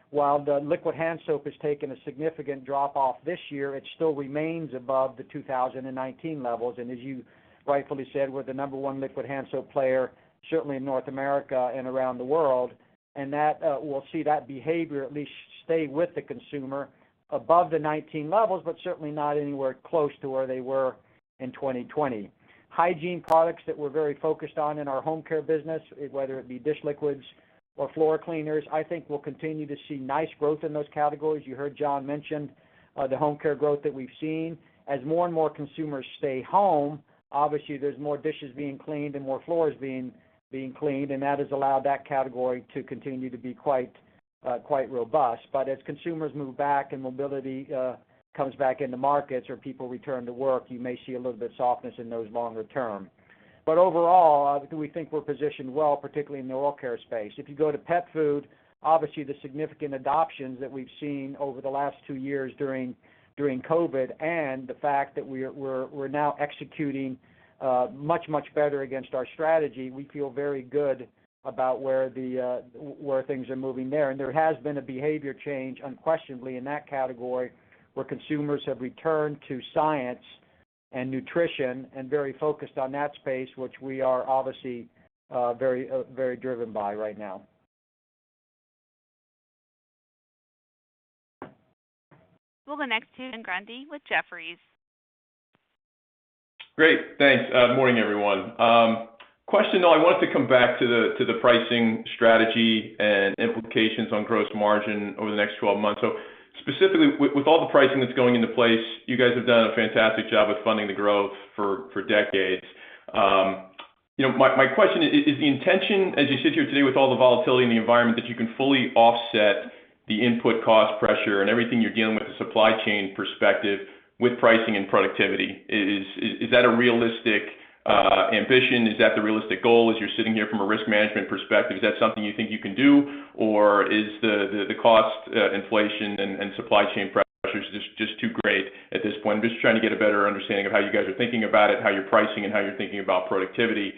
C: While the liquid hand soap has taken a significant drop off this year, it still remains above the 2019 levels. As you rightfully said, we're the number one liquid hand soap player, certainly in North America and around the world. That we'll see that behavior at least stay with the consumer above the 19 levels, but certainly not anywhere close to where they were in 2020. Hygiene products that we're very focused on in our home care business, whether it be dish liquids or floor cleaners, I think we'll continue to see nice growth in those categories. You heard John mention the home care growth that we've seen. As more and more consumers stay home, obviously, there's more dishes being cleaned and more floors being cleaned, and that has allowed that category to continue to be quite robust. As consumers move back and mobility comes back into markets or people return to work, you may see a little bit of softness in those longer term. Overall, we think we're positioned well, particularly in the oral care space. If you go to pet food, obviously the significant adoptions that we've seen over the last 2 years during COVID and the fact that we're now executing much better against our strategy, we feel very good about where things are moving there. There has been a behavior change unquestionably in that category, where consumers have returned to science and nutrition and very focused on that space, which we are obviously very driven by right now.
A: We'll go next to Kevin Grundy with Jefferies.
J: Great. Thanks. Morning, everyone. Question, though, I wanted to come back to the pricing strategy and implications on gross margin over the next 12 months. Specifically, with all the pricing that's going into place, you guys have done a fantastic job of Funding the Growth for decades. You know, my question is the intention as you sit here today with all the volatility in the environment, that you can fully offset the input cost pressure and everything you're dealing with the supply chain perspective with pricing and productivity. Is that a realistic ambition? Is that the realistic goal as you're sitting here from a risk management perspective? Is that something you think you can do? Is the cost inflation and supply chain pressures just too great at this point? I'm just trying to get a better understanding of how you guys are thinking about it, how you're pricing, and how you're thinking about productivity.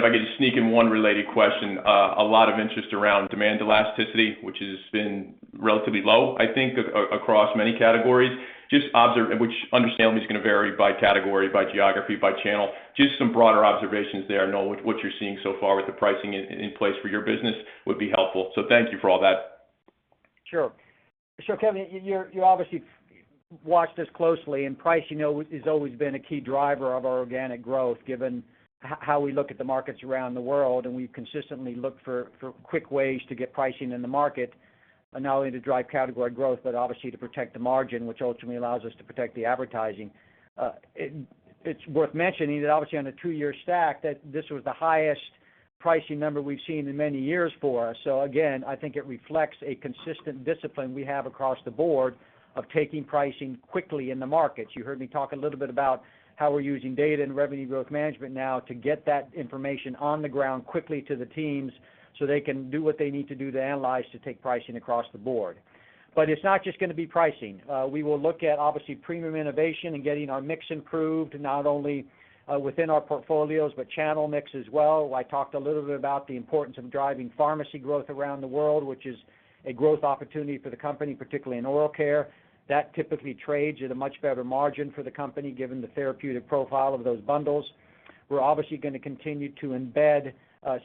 J: If I could sneak in one related question, a lot of interest around demand elasticity, which has been relatively low, I think across many categories. Which I understand is gonna vary by category, by geography, by channel. Just some broader observations there, Noel, what you're seeing so far with the pricing in place for your business would be helpful. Thank you for all that.
C: Sure. Kevin, you're, you obviously watch this closely, and pricing, you know, has always been a key driver of our organic growth, given how we look at the markets around the world, and we consistently look for for quick ways to get pricing in the market. Not only to drive category growth, but obviously to protect the margin, which ultimately allows us to protect the advertising. It's worth mentioning that obviously on a 2-year stack that this was the highest pricing number we've seen in many years for us. Again, I think it reflects a consistent discipline we have across the board of taking pricing quickly in the markets. You heard me talk a little bit about how we're using data and revenue growth management now to get that information on the ground quickly to the teams, so they can do what they need to do to analyze, to take pricing across the board. It's not just gonna be pricing. We will look at obviously premium innovation and getting our mix improved, not only within our portfolios, but channel mix as well. I talked a little bit about the importance of driving pharmacy growth around the world, which is a growth opportunity for the company, particularly in oral care. That typically trades at a much better margin for the company, given the therapeutic profile of those bundles. We're obviously gonna continue to embed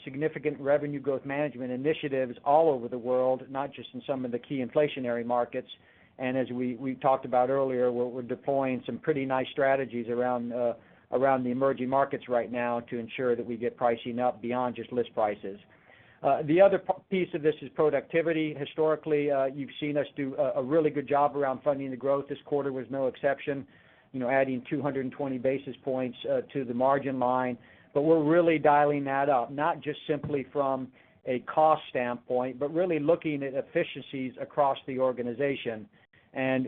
C: significant revenue growth management initiatives all over the world, not just in some of the key inflationary markets. As we talked about earlier, we're deploying some pretty nice strategies around the emerging markets right now to ensure that we get pricing up beyond just list prices. The other piece of this is productivity. Historically, you've seen us do a really good job around Funding the Growth. This 1/4 was no exception, you know, adding 200 basis points to the margin line. We're really dialing that up, not just simply from a cost standpoint, but really looking at efficiencies across the organization.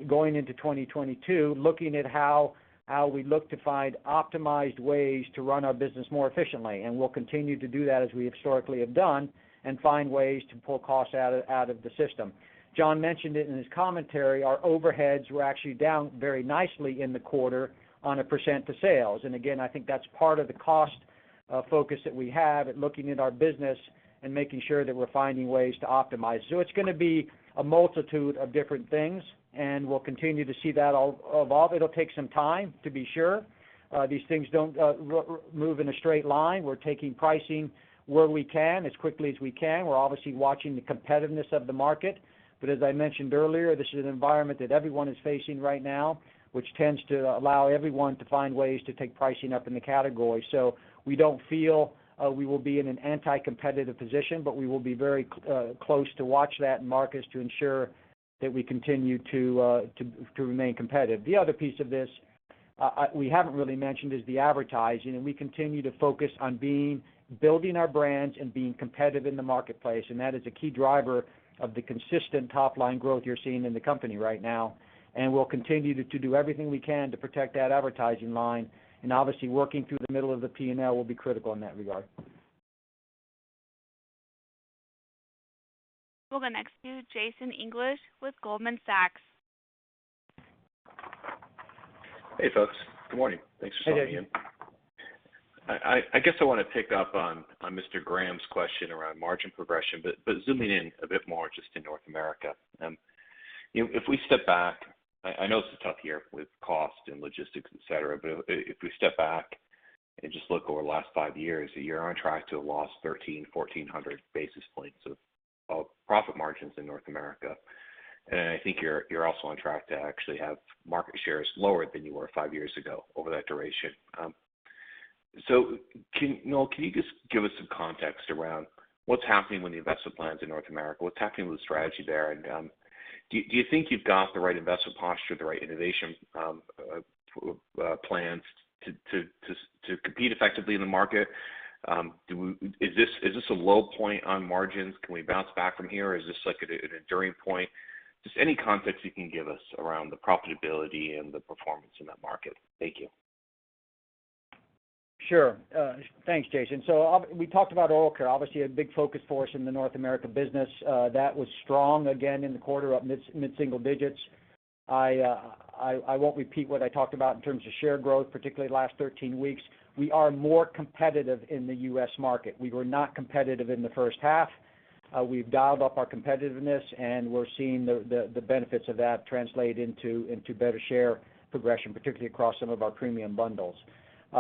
C: Going into 2022, looking at how we look to find optimized ways to run our business more efficiently. We'll continue to do that as we historically have done, and find ways to pull costs out of the system. John mentioned it in his commentary. Our overheads were actually down very nicely in the 1/4 as a percent of sales. Again, I think that's part of the cost focus that we have in looking at our business and making sure that we're finding ways to optimize. It's gonna be a multitude of different things, and we'll continue to see that evolve. It'll take some time to be sure. These things don't run in a straight line. We're taking pricing where we can, as quickly as we can. We're obviously watching the competitiveness of the market. As I mentioned earlier, this is an environment that everyone is facing right now, which tends to allow everyone to find ways to take pricing up in the category. We don't feel we will be in an anti-competitive position, but we will be very closely watch that in markets to ensure that we continue to remain competitive. The other piece of this we haven't really mentioned is the advertising. We continue to focus on building our brands and being competitive in the marketplace, and that is a key driver of the consistent top-line growth you're seeing in the company right now. We'll continue to do everything we can to protect that advertising line, and obviously working through the middle of the P&L will be critical in that regard.
A: We'll go next to Jason English with Goldman Sachs.
K: Hey, folks. Good morning. Thanks for starting again.
C: Hey, Jason.
K: I guess I wanna pick up on Mr. Grundy's question around margin progression, but zooming in a bit more just in North America. You know, if we step back, I know it's a tough year with cost and logistics, et cetera. If we step back and just look over the last 5 years, you're on track to have lost 1,300-1,400 basis points of, well, profit margins in North America. I think you're also on track to actually have market shares lower than you were 5 years ago over that duration. Noel, can you just give us some context around what's happening with the investment plans in North America? What's happening with the strategy there? Do you think you've got the right investment posture, the right innovation, plans to compete effectively in the market? Is this a low point on margins? Can we bounce back from here? Is this like at an enduring point? Just any context you can give us around the profitability and the performance in that market. Thank you.
C: Sure. Thanks, Jason. We talked about oral care, obviously a big focus for us in the North America business. That was strong again in the 1/4, up mid single digits. I won't repeat what I talked about in terms of share growth, particularly the last 13 weeks. We are more competitive in the U.S. market. We were not competitive in the first 1/2. We've dialed up our competitiveness, and we're seeing the benefits of that translate into better share progression, particularly across some of our premium bundles.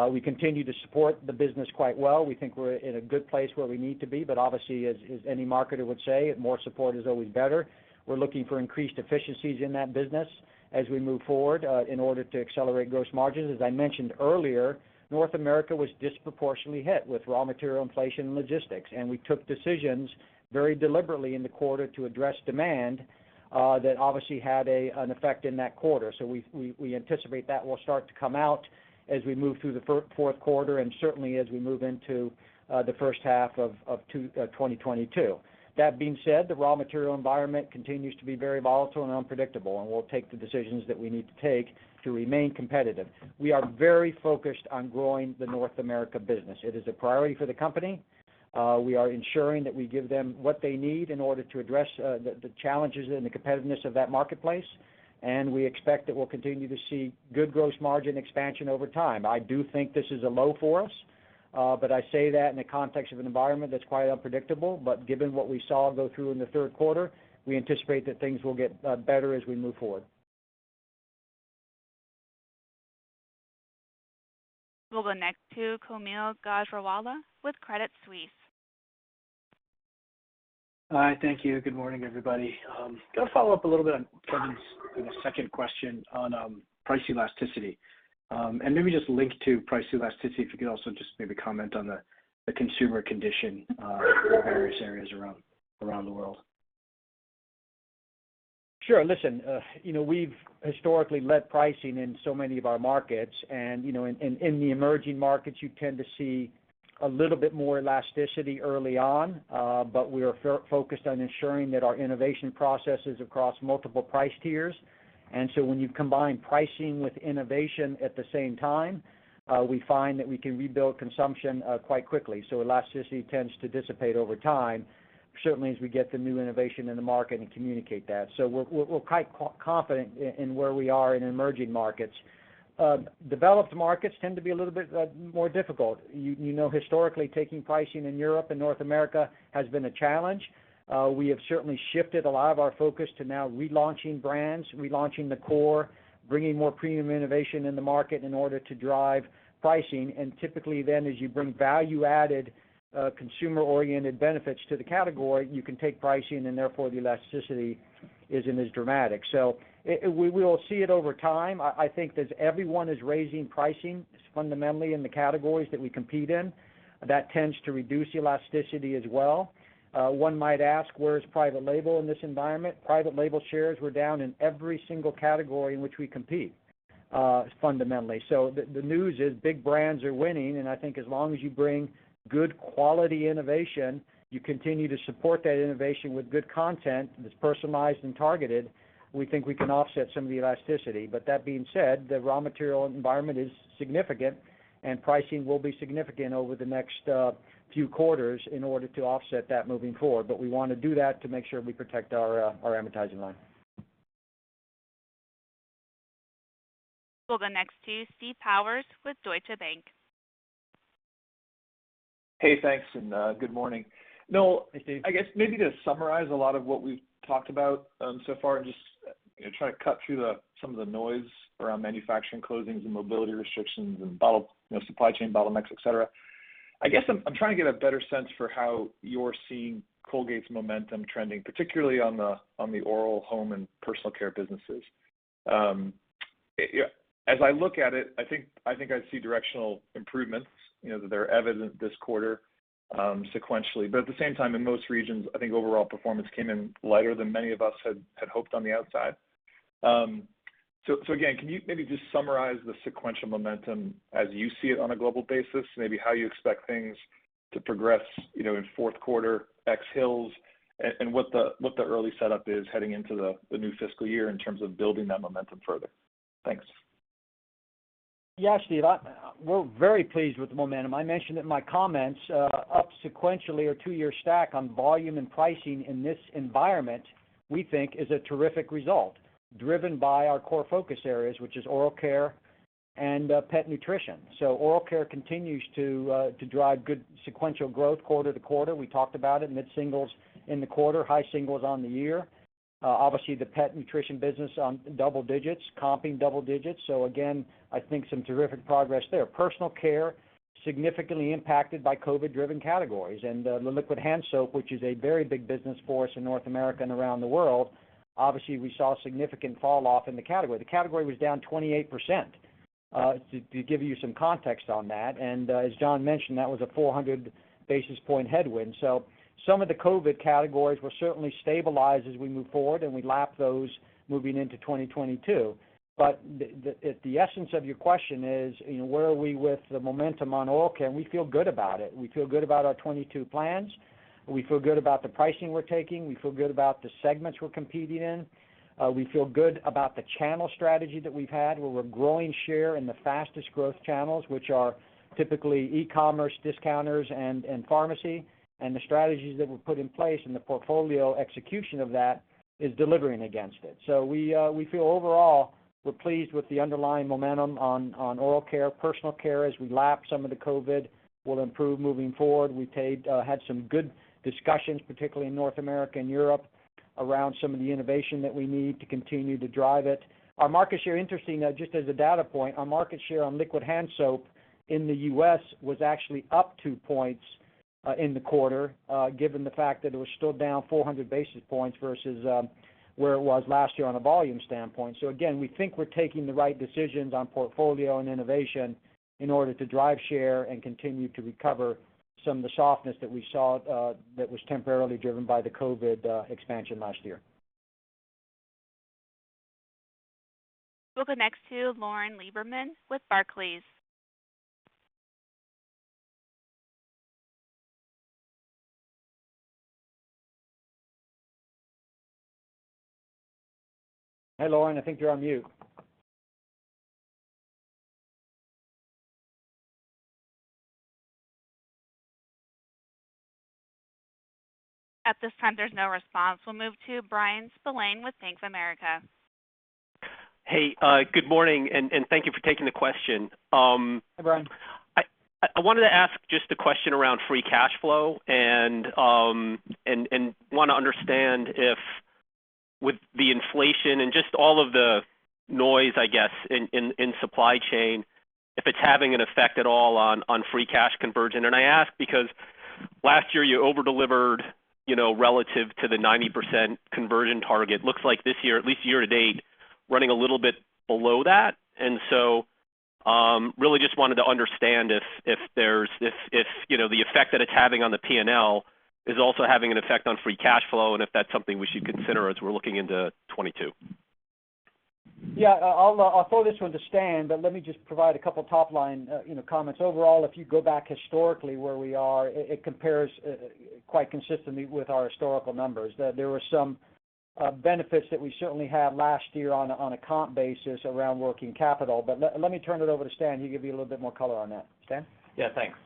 C: We continue to support the business quite well. We think we're in a good place where we need to be, but obviously, as any marketer would say, more support is always better. We're looking for increased efficiencies in that business as we move forward, in order to accelerate gross margins. As I mentioned earlier, North America was disproportionately hit with raw material inflation and logistics. We took decisions very deliberately in the 1/4 to address demand that obviously had an effect in that 1/4. We anticipate that will start to come out as we move through the fourth 1/4 and certainly as we move into the first 1/2 of 2022. That being said, the raw material environment continues to be very volatile and unpredictable, and we'll take the decisions that we need to take to remain competitive. We are very focused on growing the North America business. It is a priority for the company. We are ensuring that we give them what they need in order to address the challenges and the competitiveness of that marketplace. We expect that we'll continue to see good gross margin expansion over time. I do think this is a low for us, but I say that in the context of an environment that's quite unpredictable. Given what we saw go through in the third quarter, we anticipate that things will get better as we move forward.
A: We'll go next to Kaumil Gajrawala with Credit Suisse.
L: Hi. Thank you. Good morning, everybody. Gonna follow up a little bit on Kevin's, you know, second question on price elasticity. Maybe just linked to price elasticity, if you could also just maybe comment on the consumer condition in various areas around the world.
C: Sure. Listen, you know, we've historically led pricing in so many of our markets. You know, in the emerging markets, you tend to see a little bit more elasticity early on, but we are focused on ensuring that our innovation process is across multiple price tiers. When you combine pricing with innovation at the same time, we find that we can rebuild consumption quite quickly. Elasticity tends to dissipate over time, certainly as we get the new innovation in the market and communicate that. We're quite confident in where we are in emerging markets. Developed markets tend to be a little bit more difficult. You know, historically, taking pricing in Europe and North America has been a challenge. We have certainly shifted a lot of our focus to now relaunching brands, relaunching the core, bringing more premium innovation in the market in order to drive pricing. Typically then, as you bring value added, consumer-oriented benefits to the category, you can take pricing and therefore the elasticity isn't as dramatic. We will see it over time. I think that everyone is raising pricing fundamentally in the categories that we compete in. That tends to reduce elasticity as well. One might ask, where is private label in this environment? Private label shares were down in every single category in which we compete, fundamentally. The news is big brands are winning, and I think as long as you bring good quality innovation, you continue to support that innovation with good content that's personalized and targeted, we think we can offset some of the elasticity. That being said, the raw material environment is significant, and pricing will be significant over the next, few quarters in order to offset that moving forward. We wanna do that to make sure we protect our advertising line.
A: We'll go next to Steve Powers with Deutsche Bank.
M: Hey, thanks and good morning. Noel
C: Hey, Steve.
M: I guess maybe to summarize a lot of what we've talked about so far and just, you know, try to cut through the some of the noise around manufacturing closings and mobility restrictions and bottle, you know, supply chain bottlenecks, et cetera. I guess I'm trying to get a better sense for how you're seeing Colgate's momentum trending, particularly on the on the oral home and personal care businesses. As I look at it, I think I see directional improvements, you know, that they're evident this 1/4, sequentially. At the same time, in most regions, I think overall performance came in lighter than many of us had hoped on the outside. Again, can you maybe just summarize the sequential momentum as you see it on a global basis, maybe how you expect things to progress, you know, in fourth 1/4 ex Hill's, and what the early setup is heading into the new fiscal year in terms of building that momentum further? Thanks.
C: Yeah, Steve. We're very pleased with the momentum. I mentioned in my comments, up sequentially or 2-year stack on volume and pricing in this environment, we think is a terrific result, driven by our core focus areas, which is oral care and pet nutrition. Oral care continues to drive good sequential growth 1/4 to 1/4. We talked about it, mid-singles% in the 1/4, high singles% on the year. Obviously the pet nutrition business on double digits%, comping double digits%. Again, I think some terrific progress there. Personal care, significantly impacted by COVID-driven categories. The liquid hand soap, which is a very big business for us in North America and around the world, obviously, we saw a significant falloff in the category. The category was down 28%, to give you some context on that. As John mentioned, that was a 400 basis point headwind. Some of the COVID categories will certainly stabilize as we move forward, and we lap those moving into 2022. If the essence of your question is, you know, where are we with the momentum on oral care, and we feel good about it. We feel good about our 2022 plans. We feel good about the pricing we're taking. We feel good about the segments we're competing in. We feel good about the channel strategy that we've had, where we're growing share in the fastest growth channels, which are typically e-commerce, discounters, and pharmacy. The strategies that we've put in place and the portfolio execution of that is delivering against it. We feel overall we're pleased with the underlying momentum on oral care, personal care. As we lap some of the COVID, we'll improve moving forward. We had some good discussions, particularly in North America and Europe around some of the innovation that we need to continue to drive it. Our market share, interesting, just as a data point, our market share on liquid hand soap in the U.S. was actually up 2 points in the 1/4, given the fact that it was still down 400 basis points versus where it was last year on a volume standpoint. Again, we think we're taking the right decisions on portfolio and innovation in order to drive share and continue to recover some of the softness that we saw, that was temporarily driven by the COVID expansion last year.
A: We'll go next to Lauren Lieberman with Barclays. Hey, Lauren, I think you're on mute. At this time, there's no response. We'll move to Bryan Spillane with BofA Securities.
N: Hey, good morning, and thank you for taking the question.
C: Hi, Bryan.
N: I wanted to ask just a question around free cash flow and wanna understand if with the inflation and just all of the noise, I guess, in supply chain, if it's having an effect at all on free cash conversion. I ask because last year you over-delivered, you know, relative to the 90% conversion target. Looks like this year, at least year to date, running a little bit below that. Really just wanted to understand if there's you know the effect that it's having on the P&L is also having an effect on free cash flow, and if that's something we should consider as we're looking into 2022.
C: Yeah. I'll throw this one to Stan, but let me just provide a couple top line, you know, comments. Overall, if you go back historically where we are, it compares quite consistently with our historical numbers. There were some benefits that we certainly had last year on a comp basis around working capital. Let me turn it over to Stan. He'll give you a little bit more color on that. Stan?
O: Yeah, thanks.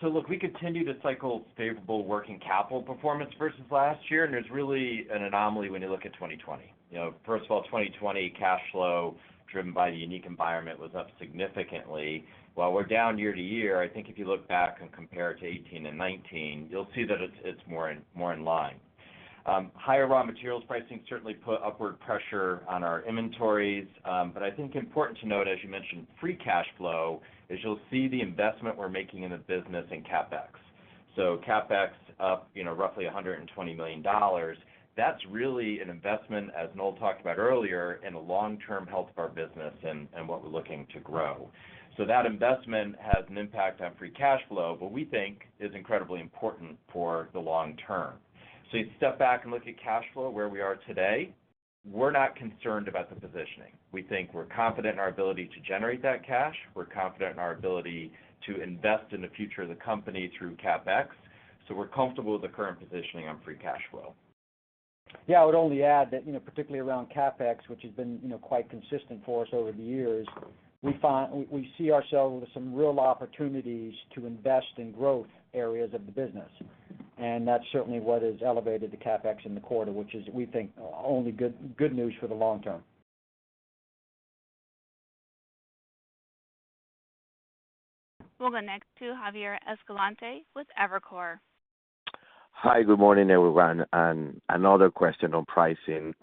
O: So look, we continue to cycle favorable working capital performance versus last year, and there's really an anomaly when you look at 2020. You know, first of all, 2020 cash flow driven by the unique environment was up significantly. While we're down year to year, I think if you look back and compare to 2018 and 2019, you'll see that it's more in line. Higher raw materials pricing certainly put upward pressure on our inventories, but I think important to note, as you mentioned, free cash flow, is you'll see the investment we're making in the business in CapEx. CapEx up, you know, roughly $120 million. That's really an investment, as Noel talked about earlier, in the long-term health of our business and what we're looking to grow. That investment has an impact on free cash flow, but we think it is incredibly important for the long term. You step back and look at cash flow where we are today, we're not concerned about the positioning. We think we're confident in our ability to generate that cash. We're confident in our ability to invest in the future of the company through CapEx. We're comfortable with the current positioning on free cash flow.
C: Yeah. I would only add that, you know, particularly around CapEx, which has been, you know, quite consistent for us over the years, we see ourselves with some real opportunities to invest in growth areas of the business. That's certainly what has elevated the CapEx in the 1/4, which is, we think, only good news for the long term.
A: We'll go next to Javier Escalante with Evercore.
P: Hi, good morning, everyone. Another question on pricing.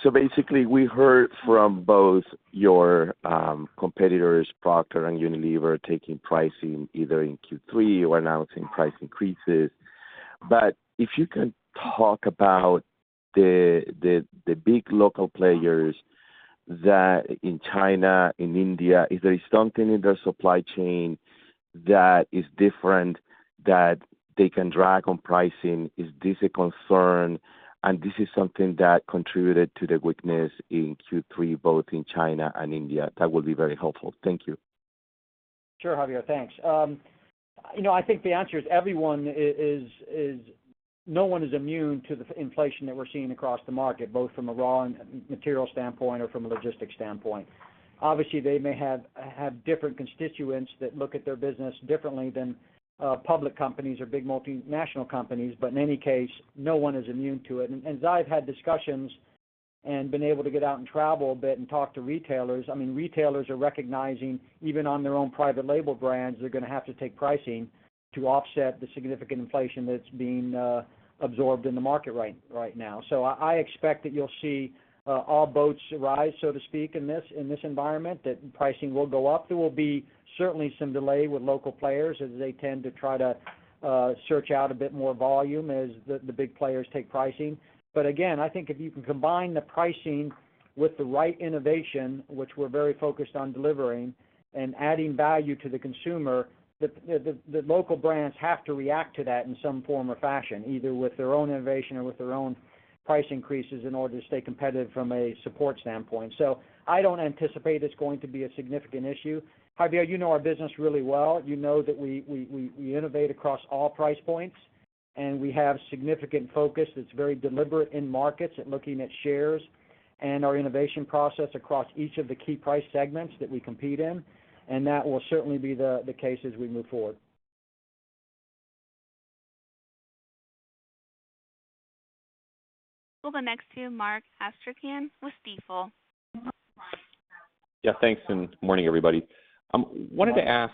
P: So basically, we heard from both your competitors, Procter & Gamble and Unilever, taking pricing either in Q3 or announcing price increases. If you can talk about the big local players in China, in India, is there something in their supply chain that is different that they can drag on pricing? Is this a concern? This is something that contributed to the weakness in Q3, both in China and India. That would be very helpful. Thank you.
C: Sure, Javier. Thanks. You know, I think the answer is no one is immune to the inflation that we're seeing across the market, both from a raw material standpoint or from a logistics standpoint. Obviously, they may have different constituents that look at their business differently than public companies or big multinational companies. In any case, no one is immune to it. I've had discussions and been able to get out and travel a bit and talk to retailers. I mean, retailers are recognizing, even on their own private label brands, they're gonna have to take pricing to offset the significant inflation that's being absorbed in the market right now. I expect that you'll see all boats rise, so to speak, in this environment, that pricing will go up. There will be certainly some delay with local players as they tend to try to search out a bit more volume as the big players take pricing. Again, I think if you can combine the pricing with the right innovation, which we're very focused on delivering, and adding value to the consumer, the local brands have to react to that in some form or fashion, either with their own innovation or with their own price increases in order to stay competitive from a support standpoint. I don't anticipate it's going to be a significant issue. Javier, you know our business really well. You know that we innovate across all price points, and we have significant focus that's very deliberate in markets at looking at shares and our innovation process across each of the key price segments that we compete in, and that will certainly be the case as we move forward.
A: We'll go next to Mark Astrachan with Stifel.
Q: Yeah, thanks, and good morning, everybody. I wanted to ask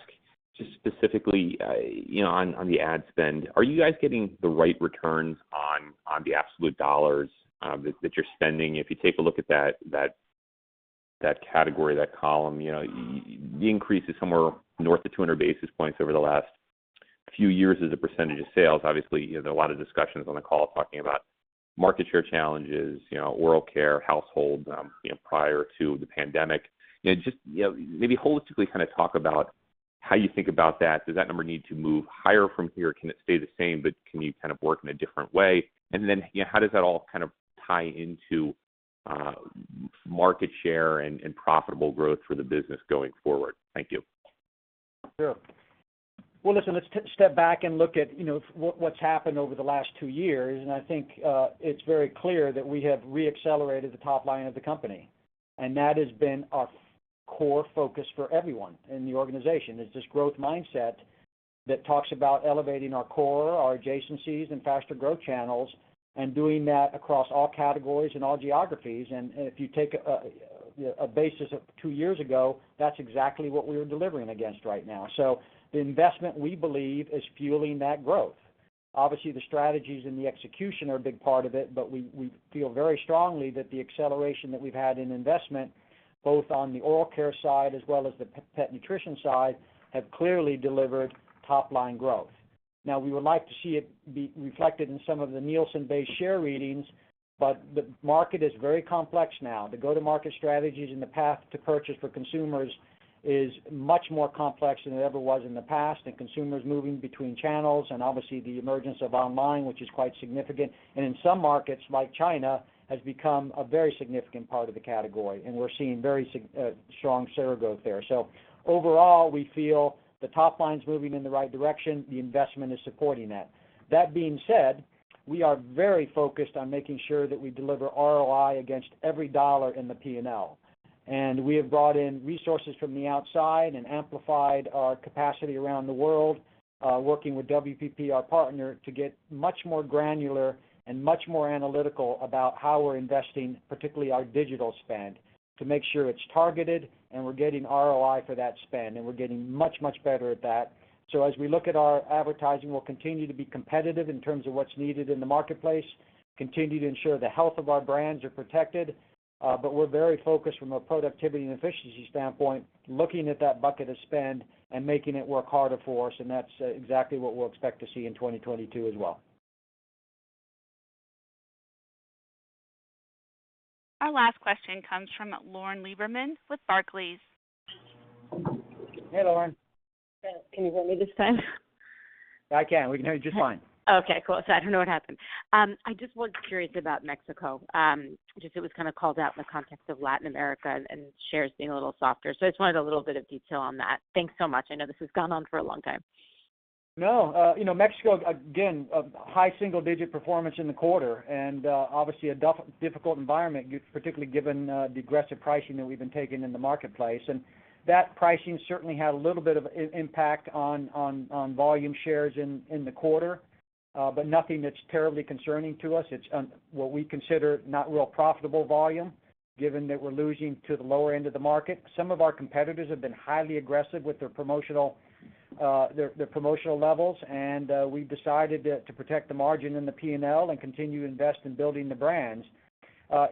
Q: just specifically, you know, on the ad spend, are you guys getting the right returns on the absolute dollars that you're spending? If you take a look at that category, that column, you know, the increase is somewhere north of 200 basis points over the last few years as a percentage of sales. Obviously, you know, a lot of discussions on the call talking about market share challenges, you know, oral care, household, you know, prior to the pandemic. You know, just, you know, maybe holistically kinda talk about how you think about that. Does that number need to move higher from here? Can it stay the same, but can you kind of work in a different way? You know, how does that all kind of tie into market share and profitable growth for the business going forward? Thank you.
C: Sure. Well, listen, let's step back and look at, you know, what's happened over the last 2 years, and I think it's very clear that we have re-accelerated the top line of the company. That has been our core focus for everyone in the organization, is this growth mindset that talks about elevating our core, our adjacencies and faster growth channels and doing that across all categories and all geographies. If you take a basis of 2 years ago, that's exactly what we're delivering against right now. The investment, we believe, is fueling that growth. Obviously, the strategies and the execution are a big part of it, but we feel very strongly that the acceleration that we've had in investment, both on the oral care side as well as the pet nutrition side, have clearly delivered top line growth. Now, we would like to see it be reflected in some of the Nielsen-based share readings, but the market is very complex now. The go-to-market strategies and the path to purchase for consumers is much more complex than it ever was in the past, and consumers moving between channels, and obviously the emergence of online, which is quite significant, and in some markets, like China, has become a very significant part of the category, and we're seeing very strong share growth there. Overall, we feel the top line's moving in the right direction. The investment is supporting that. That being said, we are very focused on making sure that we deliver ROI against every dollar in the P&L. We have brought in resources from the outside and amplified our capacity around the world, working with WPP, our partner, to get much more granular and much more analytical about how we're investing, particularly our digital spend, to make sure it's targeted and we're getting ROI for that spend. We're getting much, much better at that. As we look at our advertising, we'll continue to be competitive in terms of what's needed in the marketplace, continue to ensure the health of our brands are protected, but we're very focused from a productivity and efficiency standpoint, looking at that bucket of spend and making it work harder for us, and that's exactly what we'll expect to see in 2022 as well.
A: Our last question comes from Lauren Lieberman with Barclays.
C: Hey, Lauren.
R: Can you hear me this time?
C: I can. We can hear you just fine.
R: Okay, cool. I don't know what happened. I just was curious about Mexico, just it was kinda called out in the context of Latin America and shares being a little softer. I just wanted a little bit of detail on that. Thanks so much. I know this has gone on for a long time.
C: No, you know, Mexico, again, a high single-digit performance in the 1/4 and obviously a difficult environment, particularly given the aggressive pricing that we've been taking in the marketplace. That pricing certainly had a little bit of impact on volume shares in the 1/4, but nothing that's terribly concerning to us. It's what we consider not real profitable volume, given that we're losing to the lower end of the market. Some of our competitors have been highly aggressive with their promotional levels, and we've decided to protect the margin in the P&L and continue to invest in building the brands.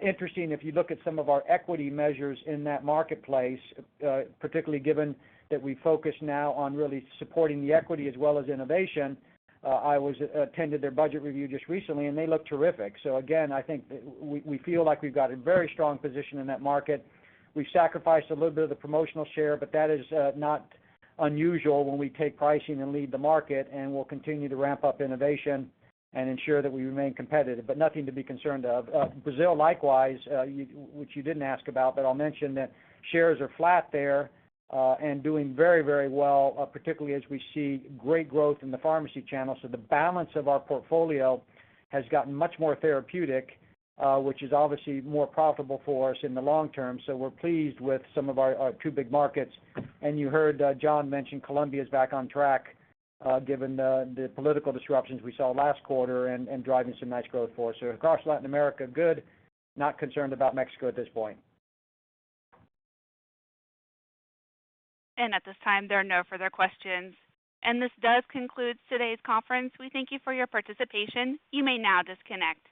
C: Interesting, if you look at some of our equity measures in that marketplace, particularly given that we focus now on really supporting the equity as well as innovation, I attended their budget review just recently, and they look terrific. Again, I think we feel like we've got a very strong position in that market. We've sacrificed a little bit of the promotional share, but that is not unusual when we take pricing and lead the market, and we'll continue to ramp up innovation and ensure that we remain competitive. Nothing to be concerned of. Brazil, likewise, which you didn't ask about, but I'll mention that shares are flat there, and doing very, very well, particularly as we see great growth in the pharmacy channels. The balance of our portfolio has gotten much more therapeutic, which is obviously more profitable for us in the long term. We're pleased with some of our 2 big markets. You heard John mention Colombia's back on track, given the political disruptions we saw last 1/4 and driving some nice growth for us. Across Latin America, good. Not concerned about Mexico at this point.
A: At this time, there are no further questions. This does conclude today's conference. We thank you for your participation. You may now disconnect.